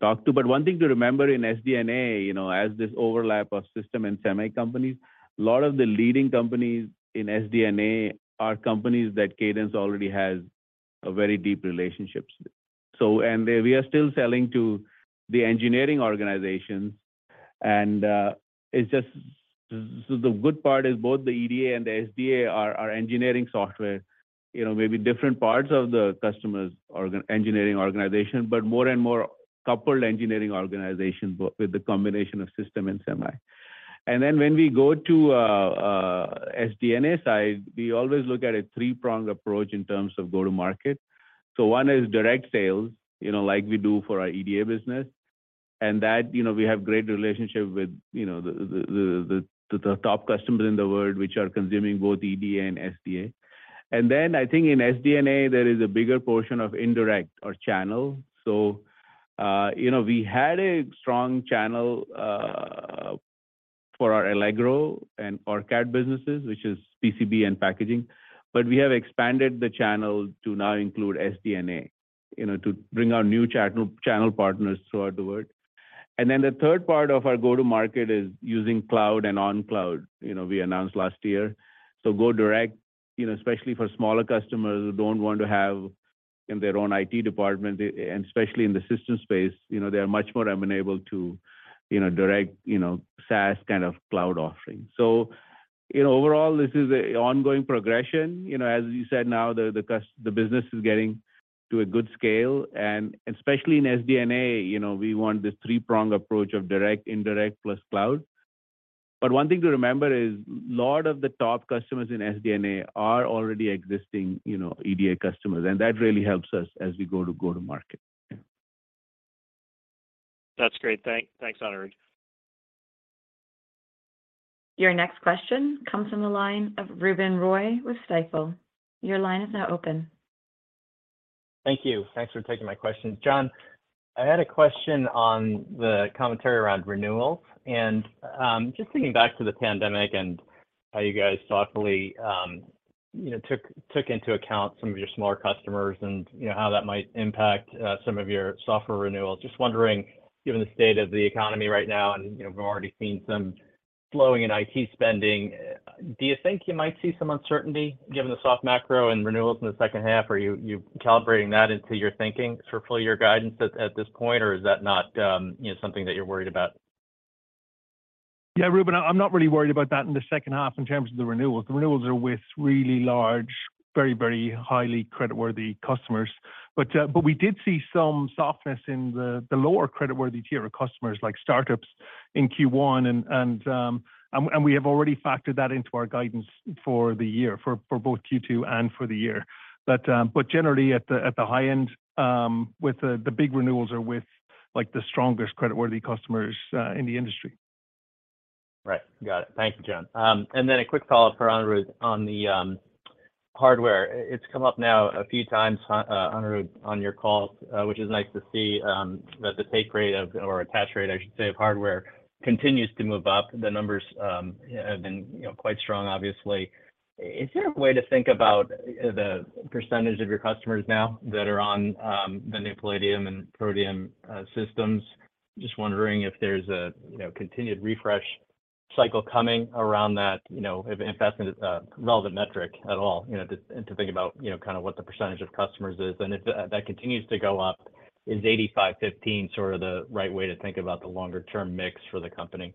talked to. One thing to remember in sDNA, you know, as this overlap of system and semi companies, a lot of the leading companies in sDNA are companies that Cadence already has very deep relationships with. We are still selling to the engineering organizations, and it's just the good part is both the EDA and the SDA are engineering software. You know, maybe different parts of the customer's engineering organization, but more and more coupled engineering organizations with the combination of system and semi. When we go to sDNA side, we always look at a three-pronged approach in terms of go to market. One is direct sales, you know, like we do for our EDA business. That, you know, we have great relationship with, you know, the top customers in the world which are consuming both EDA and SDA. I think in sDNA, there is a bigger portion of indirect or channel. You know, we had a strong channel for our Allegro and OrCAD businesses, which is PCB and packaging. We have expanded the channel to now include sDNA, you know, to bring our new channel partners throughout the world. The third part of our go-to-market is using cloud and on cloud. You know, we announced last year. Go direct, you know, especially for smaller customers who don't want to have in their own IT department, and especially in the system space, you know, they are much more amenable to, you know, direct, you know, SaaS kind of cloud offerings. You know, overall, this is a ongoing progression. You know, as you said now, the business is getting to a good scale, and especially in sDNA, you know, we want this three-prong approach of direct, indirect plus cloud. One thing to remember is a lot of the top customers in sDNA are already existing, you know, EDA customers, and that really helps us as we go to go to market. Yeah. That's great. Thank, thanks, Anirudh. Your next question comes from the line of Ruben Roy with Stifel. Your line is now open. Thank you. Thanks for taking my question. John, I had a question on the commentary around renewals and, just thinking back to the pandemic and how you guys thoughtfully, you know, took into account some of your smaller customers and, you know, how that might impact some of your software renewals. Just wondering, given the state of the economy right now, and, you know, we've already seen some slowing in IT spending, do you think you might see some uncertainty given the soft macro and renewals in the second half? Are you calibrating that into your thinking for full year guidance at this point, or is that not, you know, something that you're worried about? Yeah, Ruben, I'm not really worried about that in the second half in terms of the renewals. The renewals are with really large, very, very highly creditworthy customers. We did see some softness in the lower creditworthy tier of customers like startups in Q1 and we have already factored that into our guidance for the year, for both Q2 and for the year. Generally at the high end, with the big renewals are with like the strongest creditworthy customers in the industry. Right. Got it. Thank you, John. A quick follow-up for Anirudh on the hardware. It's come up now a few times, Anirudh, on your calls, which is nice to see, that the take rate of or attach rate, I should say, of hardware continues to move up. The numbers, you know, have been quite strong, obviously. Is there a way to think about the percentage of your customers now that are on the new Palladium and Protium systems? Just wondering if there's a, you know, continued refresh cycle coming around that, you know, if that's a relevant metric at all. You know, to, and to think about, you know, kind of what the percentage of customers is, and if that continues to go up, is 85/15 sort of the right way to think about the longer term mix for the company?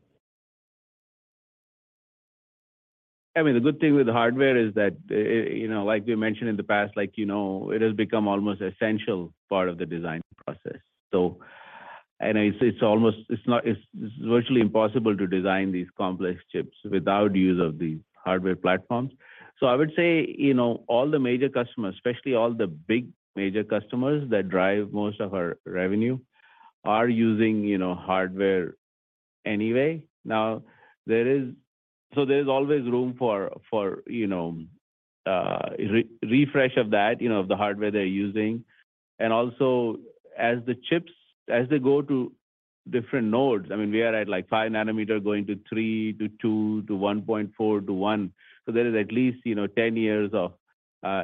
I mean, the good thing with the hardware is that, you know, like we mentioned in the past, like, you know, it has become almost essential part of the design process. It's, it's almost, it's virtually impossible to design these complex chips without use of these hardware platforms. I would say, you know, all the major customers, especially all the big major customers that drive most of our revenue are using, you know, hardware anyway. Now there's always room for, you know, re-refresh of that, you know, of the hardware they're using. Also, as the chips go to different nodes, I mean, we are at, like, five nanometer going to three to two to 1.4 to one. There is at least, you know, 10 years of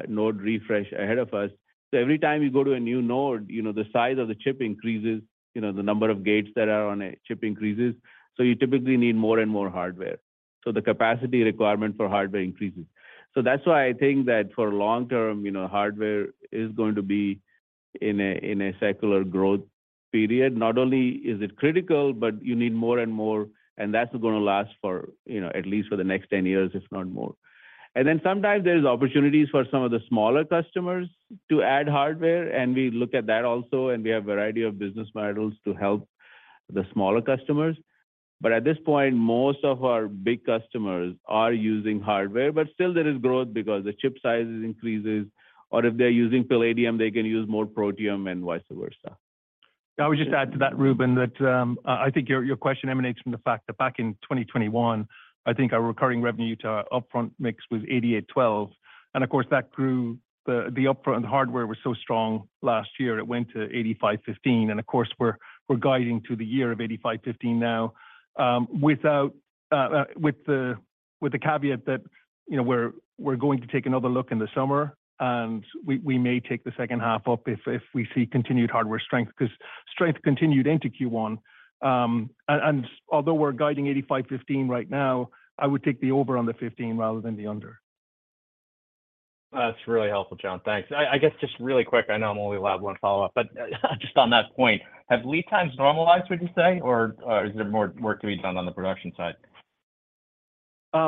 node refresh ahead of us. Every time you go to a new node, you know, the size of the chip increases, you know, the number of gates that are on a chip increases, you typically need more and more hardware. The capacity requirement for hardware increases. That's why I think that for long term, you know, hardware is going to be in a secular growth period. Not only is it critical, but you need more and more, and that's gonna last for, you know, at least for the next 10 years, if not more. Sometimes there's opportunities for some of the smaller customers to add hardware, and we look at that also, and we have a variety of business models to help the smaller customers. At this point, most of our big customers are using hardware, but still there is growth because the chip sizes increases. if they're using Palladium, they can use more Protium and vice versa. I would just add to that, Ruben, that, I think your question emanates from the fact that back in 2021, I think our recurring revenue to our upfront mix was 88/12. Of course, that grew the upfront hardware was so strong last year, it went to 85/15. Of course, we're guiding to the year of 85/15 now, without with the caveat that, you know, we're going to take another look in the summer, and we may take the second half up if we see continued hardware strength, 'cause strength continued into Q1. Although we're guiding 85/15 right now, I would take the over on the 15 rather than the under. That's really helpful, John. Thanks. I guess just really quick, I know I'm only allowed one follow-up, but just on that point, have lead times normalized, would you say? Or is there more work to be done on the production side?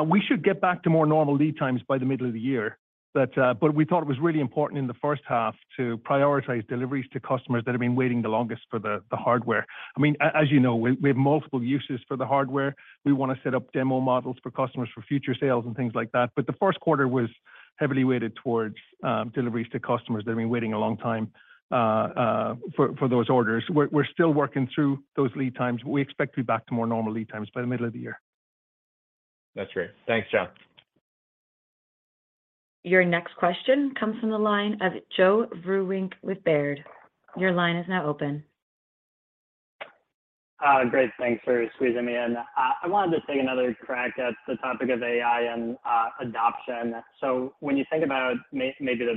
We should get back to more normal lead times by the middle of the year. We thought it was really important in the first half to prioritize deliveries to customers that have been waiting the longest for the hardware. I mean, as you know, we have multiple uses for the hardware. We wanna set up demo models for customers for future sales and things like that. The Q1 was Heavily weighted towards deliveries to customers that have been waiting a long time for those orders. We're still working through those lead times. We expect to be back to more normal lead times by the middle of the year. That's great. Thanks, John. Your next question comes from the line of Joe Vruwink with Baird. Your line is now open. Great. Thanks for squeezing me in. I wanted to take another crack at the topic of AI and adoption. When you think about maybe the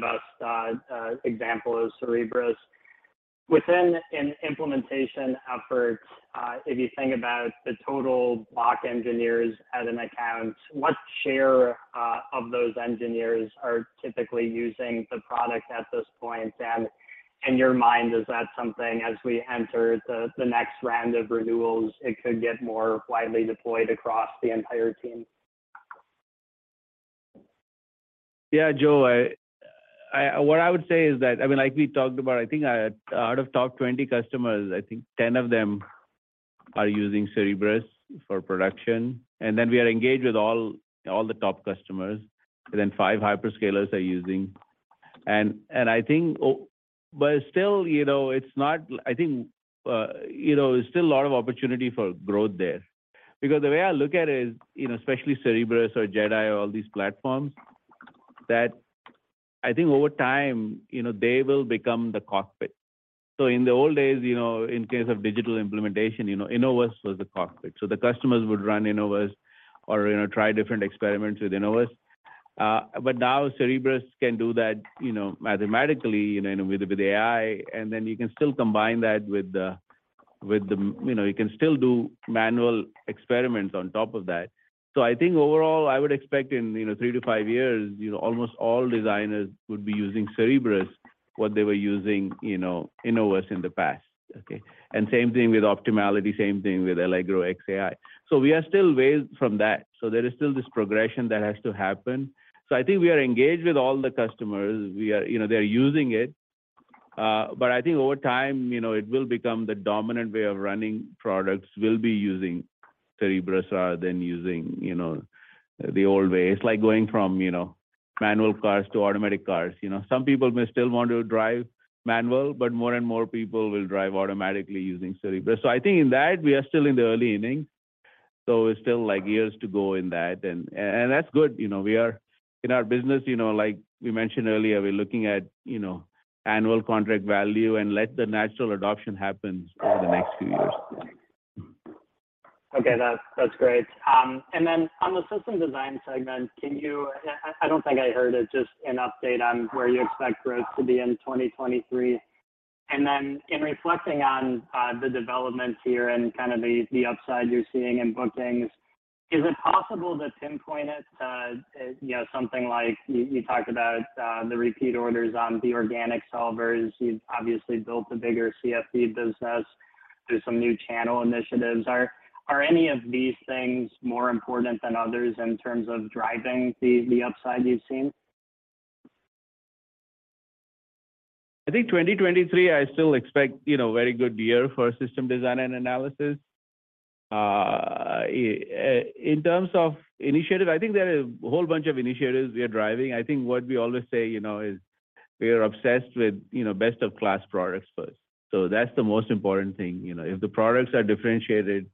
best example is Cerebrus. Within an implementation effort, if you think about the total block engineers at an account, what share of those engineers are typically using the product at this point? In your mind, is that something as we enter the next round of renewals, it could get more widely deployed across the entire team? Yeah, Joe, what I would say is that, I mean, like we talked about, I think out of top 20 customers, I think 10 of them are using Cerebrus for production. We are engaged with all the top customers, and then five hyperscalers are using. Still, you know, I think, you know, there's still a lot of opportunity for growth there. The way I look at it is, you know, especially Cerebrus or JedAI or all these platforms, that I think over time, you know, they will become the cockpit. In the old days, you know, in case of digital implementation, you know, Innovus was the cockpit. The customers would run Innovus or, you know, try different experiments with Innovus. Now Cerebrus can do that, you know, mathematically, you know, with the AI, and then you can still combine that with the, you know, you can still do manual experiments on top of that. I think overall, I would expect in, you know, three to five years, you know, almost all designers would be using Cerebrus what they were using, you know, Innovus in the past. Okay. Same thing with Optimality, same thing with Allegro X AI. We are still ways from that. There is still this progression that has to happen. I think we are engaged with all the customers. We are, you know, they're using it. I think over time, you know, it will become the dominant way of running products will be using Cerebrus rather than using, you know, the old way. It's like going from, you know, manual cars to automatic cars. Some people may still want to drive manual, more and more people will drive automatically using Cerebrus. I think in that, we are still in the early innings, so it's still like years to go in that and that's good. You know, in our business, you know, like we mentioned earlier, we're looking at, you know, annual contract value and let the natural adoption happens over the next few years. Okay. That's, that's great. On the system design segment, I don't think I heard it, just an update on where you expect growth to be in 2023. In reflecting on the developments here and kind of the upside you're seeing in bookings, is it possible to pinpoint it to, you know, something like you talked about the repeat orders on the organic solvers. You've obviously built a bigger CFD business through some new channel initiatives. Are any of these things more important than others in terms of driving the upside you've seen? I think 2023, I still expect, you know, very good year for system design and analysis. In terms of initiatives, I think there are a whole bunch of initiatives we are driving. I think what we always say, you know, is we are obsessed with, you know, best-of-class products first. That's the most important thing. You know, if the products are differentiated,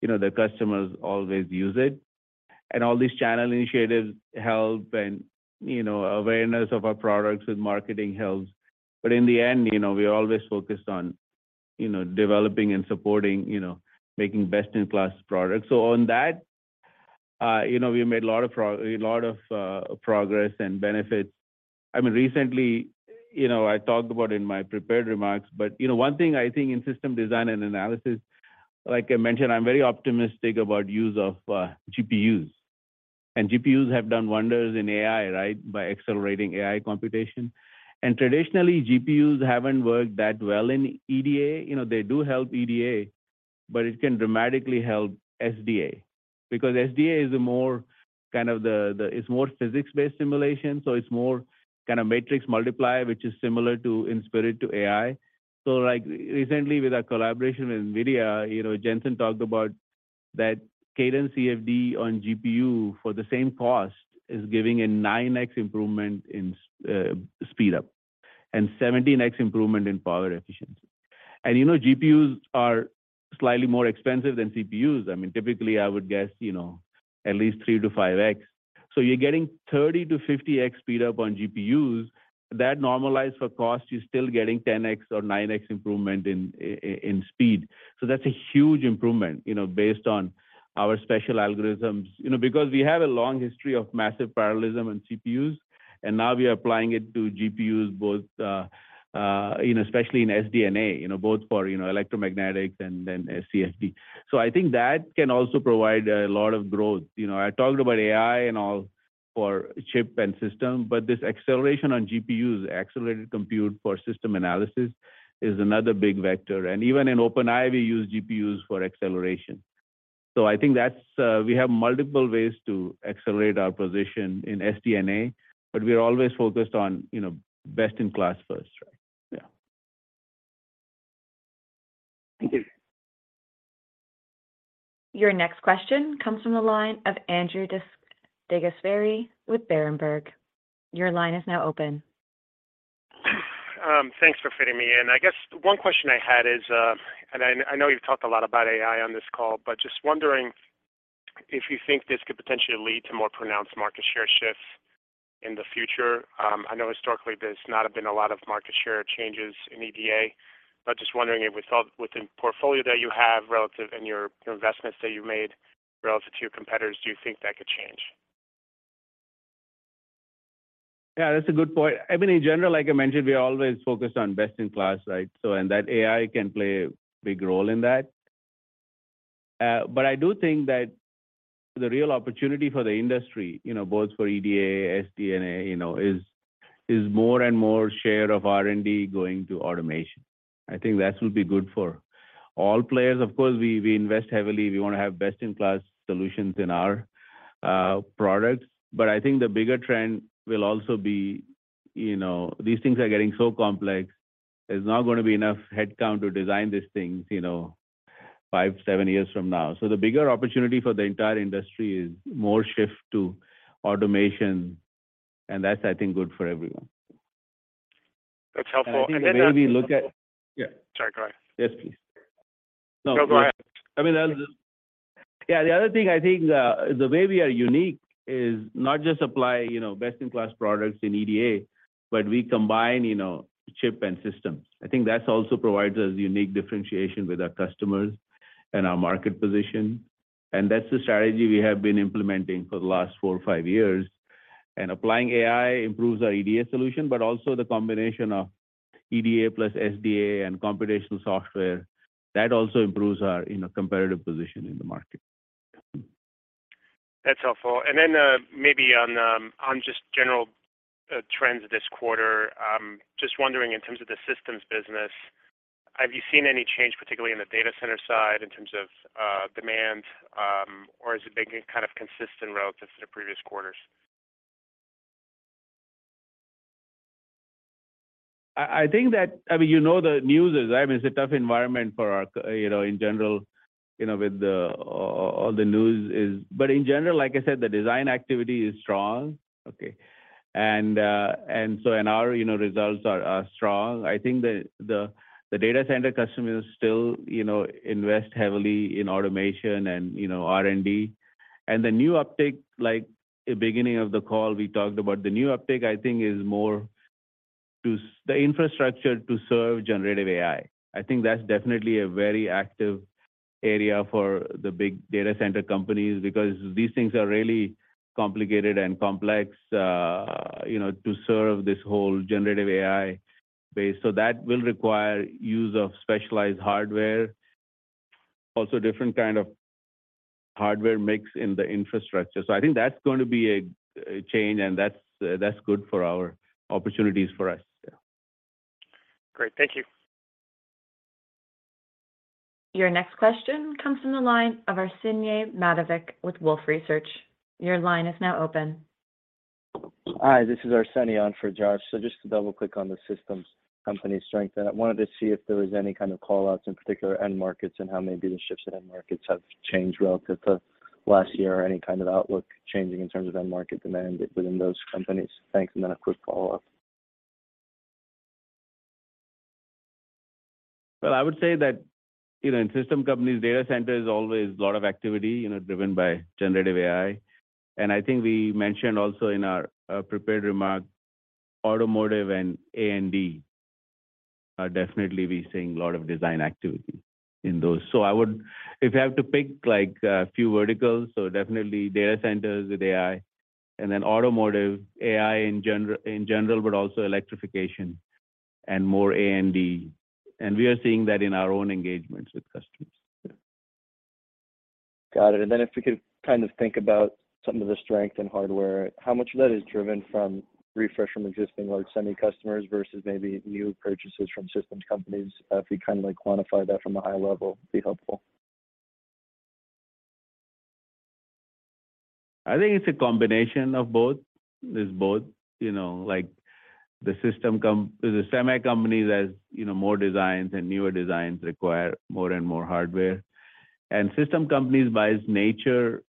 you know, the customers always use it. All these channel initiatives help and, you know, awareness of our products with marketing helps. In the end, you know, we always focus on, you know, developing and supporting, you know, making best-in-class products. On that, you know, we made a lot of progress and benefits. I mean, recently, you know, I talked about in my prepared remarks, but, you know, one thing I think in System Design and Analysis, like I mentioned, I'm very optimistic about use of GPUs. Traditionally, GPUs haven't worked that well in EDA. You know, they do help EDA, but it can dramatically help SDA because SDA is a more kind of the, it's more physics-based simulation, so it's more kind of matrix multiply, which is similar to in spirit to AI. Like, recently with our collaboration with NVIDIA, you know, Jensen talked about that Cadence CFD on GPU for the same cost is giving a 9x improvement in speed up and 70x improvement in power efficiency. You know, GPUs are slightly more expensive than CPUs. I mean, typically, I would guess, you know, at least 3x to 5x. You're getting 30x to 50x speed up on GPUs. That normalized for cost, you're still getting 10x or 9x improvement in speed. That's a huge improvement, you know, based on our special algorithms. You know, because we have a long history of massive parallelism in CPUs, and now we are applying it to GPUs, both, you know, especially in sDNA, you know, both for, you know, electromagnetics and then CFD. I think that can also provide a lot of growth. You know, I talked about AI and all for chip and system, but this acceleration on GPUs, accelerated compute for system analysis is another big vector. Even in OpenEye, we use GPUs for acceleration. I think that's, we have multiple ways to accelerate our position in sDNA, but we're always focused on, you know, best in class first. Right. Yeah. Thank you. Your next question comes from the line of Andrew DeGasperi with Berenberg. Your line is now open. Thanks for fitting me in. I guess one question I had is. I know you've talked a lot about AI on this call, just wondering if you think this could potentially lead to more pronounced market share shifts in the future. I know historically there's not been a lot of market share changes in EDA, just wondering if we saw within portfolio that you have relative, and your investments that you made relative to your competitors, do you think that could change? Yeah, that's a good point. I mean, in general, like I mentioned, we are always focused on best in class, right? And that AI can play a big role in that. I do think that the real opportunity for the industry, you know, both for EDA, sDNA, you know, is more and more share of R&D going to automation. I think that will be good for all players. Of course, we invest heavily. We wanna have best in class solutions in our products. I think the bigger trend will also be, you know, these things are getting so complex, there's not gonna be enough headcount to design these things, you know, five, seven years from now. The bigger opportunity for the entire industry is more shift to automation, and that's, I think, good for everyone. That's helpful. I think the way we look at. Yeah. Sorry, go ahead. Yes, please. No, go ahead. I mean, that was just. Yeah, the other thing I think, the way we are unique is not just apply, you know, best in class products in EDA, but we combine, you know, chip and systems. I think that's also provides us unique differentiation with our customers and our market position, and that's the strategy we have been implementing for the last four or five years. Applying AI improves our EDA solution, but also the combination of EDA plus SDA and computational software, that also improves our, you know, competitive position in the market. That's helpful. Then, maybe on just general, trends this quarter, just wondering in terms of the systems business, have you seen any change, particularly in the data center side in terms of, demand, or has it been kind of consistent relative to the previous quarters? I think that. I mean, you know the news is, I mean, it's a tough environment for our. You know, in general, you know, with all the news is. In general, like I said, the design activity is strong. Okay. Our, you know, results are strong. I think the data center customers still, you know, invest heavily in automation and, you know, R&D. The new uptick, like the beginning of the call, we talked about the new uptick, I think is more to the infrastructure to serve generative AI. I think that's definitely a very active area for the big data center companies, because these things are really complicated and complex, you know, to serve this whole generative AI base. That will require use of specialized hardware. Different kind of hardware mix in the infrastructure. I think that's going to be a change, and that's good for our opportunities for us. Yeah. Great. Thank you. Your next question comes from the line of Arsenije Matovic with Wolfe Research. Your line is now open. Hi, this is Arsenije on for Josh. Just to double-click on the systems company strength, and I wanted to see if there was any kind of call-outs in particular end markets and how maybe the shifts in end markets have changed relative to last year or any kind of outlook changing in terms of end market demand within those companies. Thanks, and then a quick follow-up. Well, I would say that, you know, in system companies, data center is always a lot of activity, you know, driven by generative AI. I think we mentioned also in our prepared remarks, automotive and A&D are definitely we're seeing a lot of design activity in those. If you have to pick like a few verticals, definitely data centers with AI and then automotive, AI in general, but also electrification and more A&D. We are seeing that in our own engagements with customers. Yeah. Got it. Then if we could kind of think about some of the strength in hardware, how much of that is driven from refresh from existing large semi customers versus maybe new purchases from systems companies? If you kinda like quantify that from a high level, be helpful. I think it's a combination of both. It's both, you know, like the system the semi companies as, you know, more designs and newer designs require more and more hardware. System companies by its nature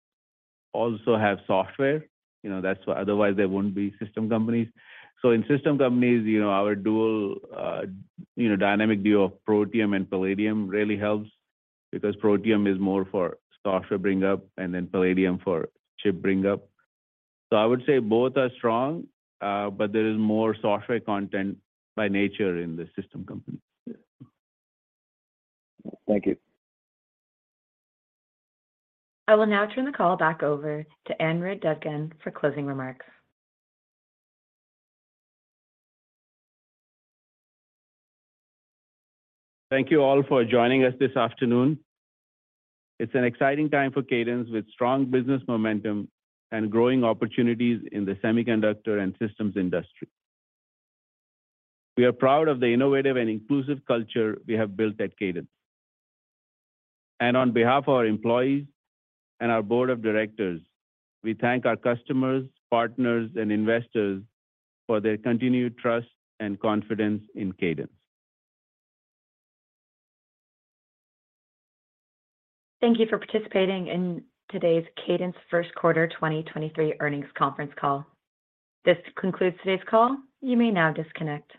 also have software. You know, otherwise they wouldn't be system companies. In system companies, you know, our dual, you know, dynamic duo of Protium and Palladium really helps because Protium is more for software bring up and then Palladium for chip bring up. I would say both are strong, but there is more software content by nature in the system companies. Yeah. Thank you. I will now turn the call back over to Anirudh Devgan for closing remarks. Thank you all for joining us this afternoon. It's an exciting time for Cadence with strong business momentum and growing opportunities in the semiconductor and systems industry. We are proud of the innovative and inclusive culture we have built at Cadence. On behalf of our employees and our board of directors, we thank our customers, partners, and investors for their continued trust and confidence in Cadence. Thank you for participating in today's Cadence Q1 2023 earnings conference call. This concludes today's call. You may now disconnect.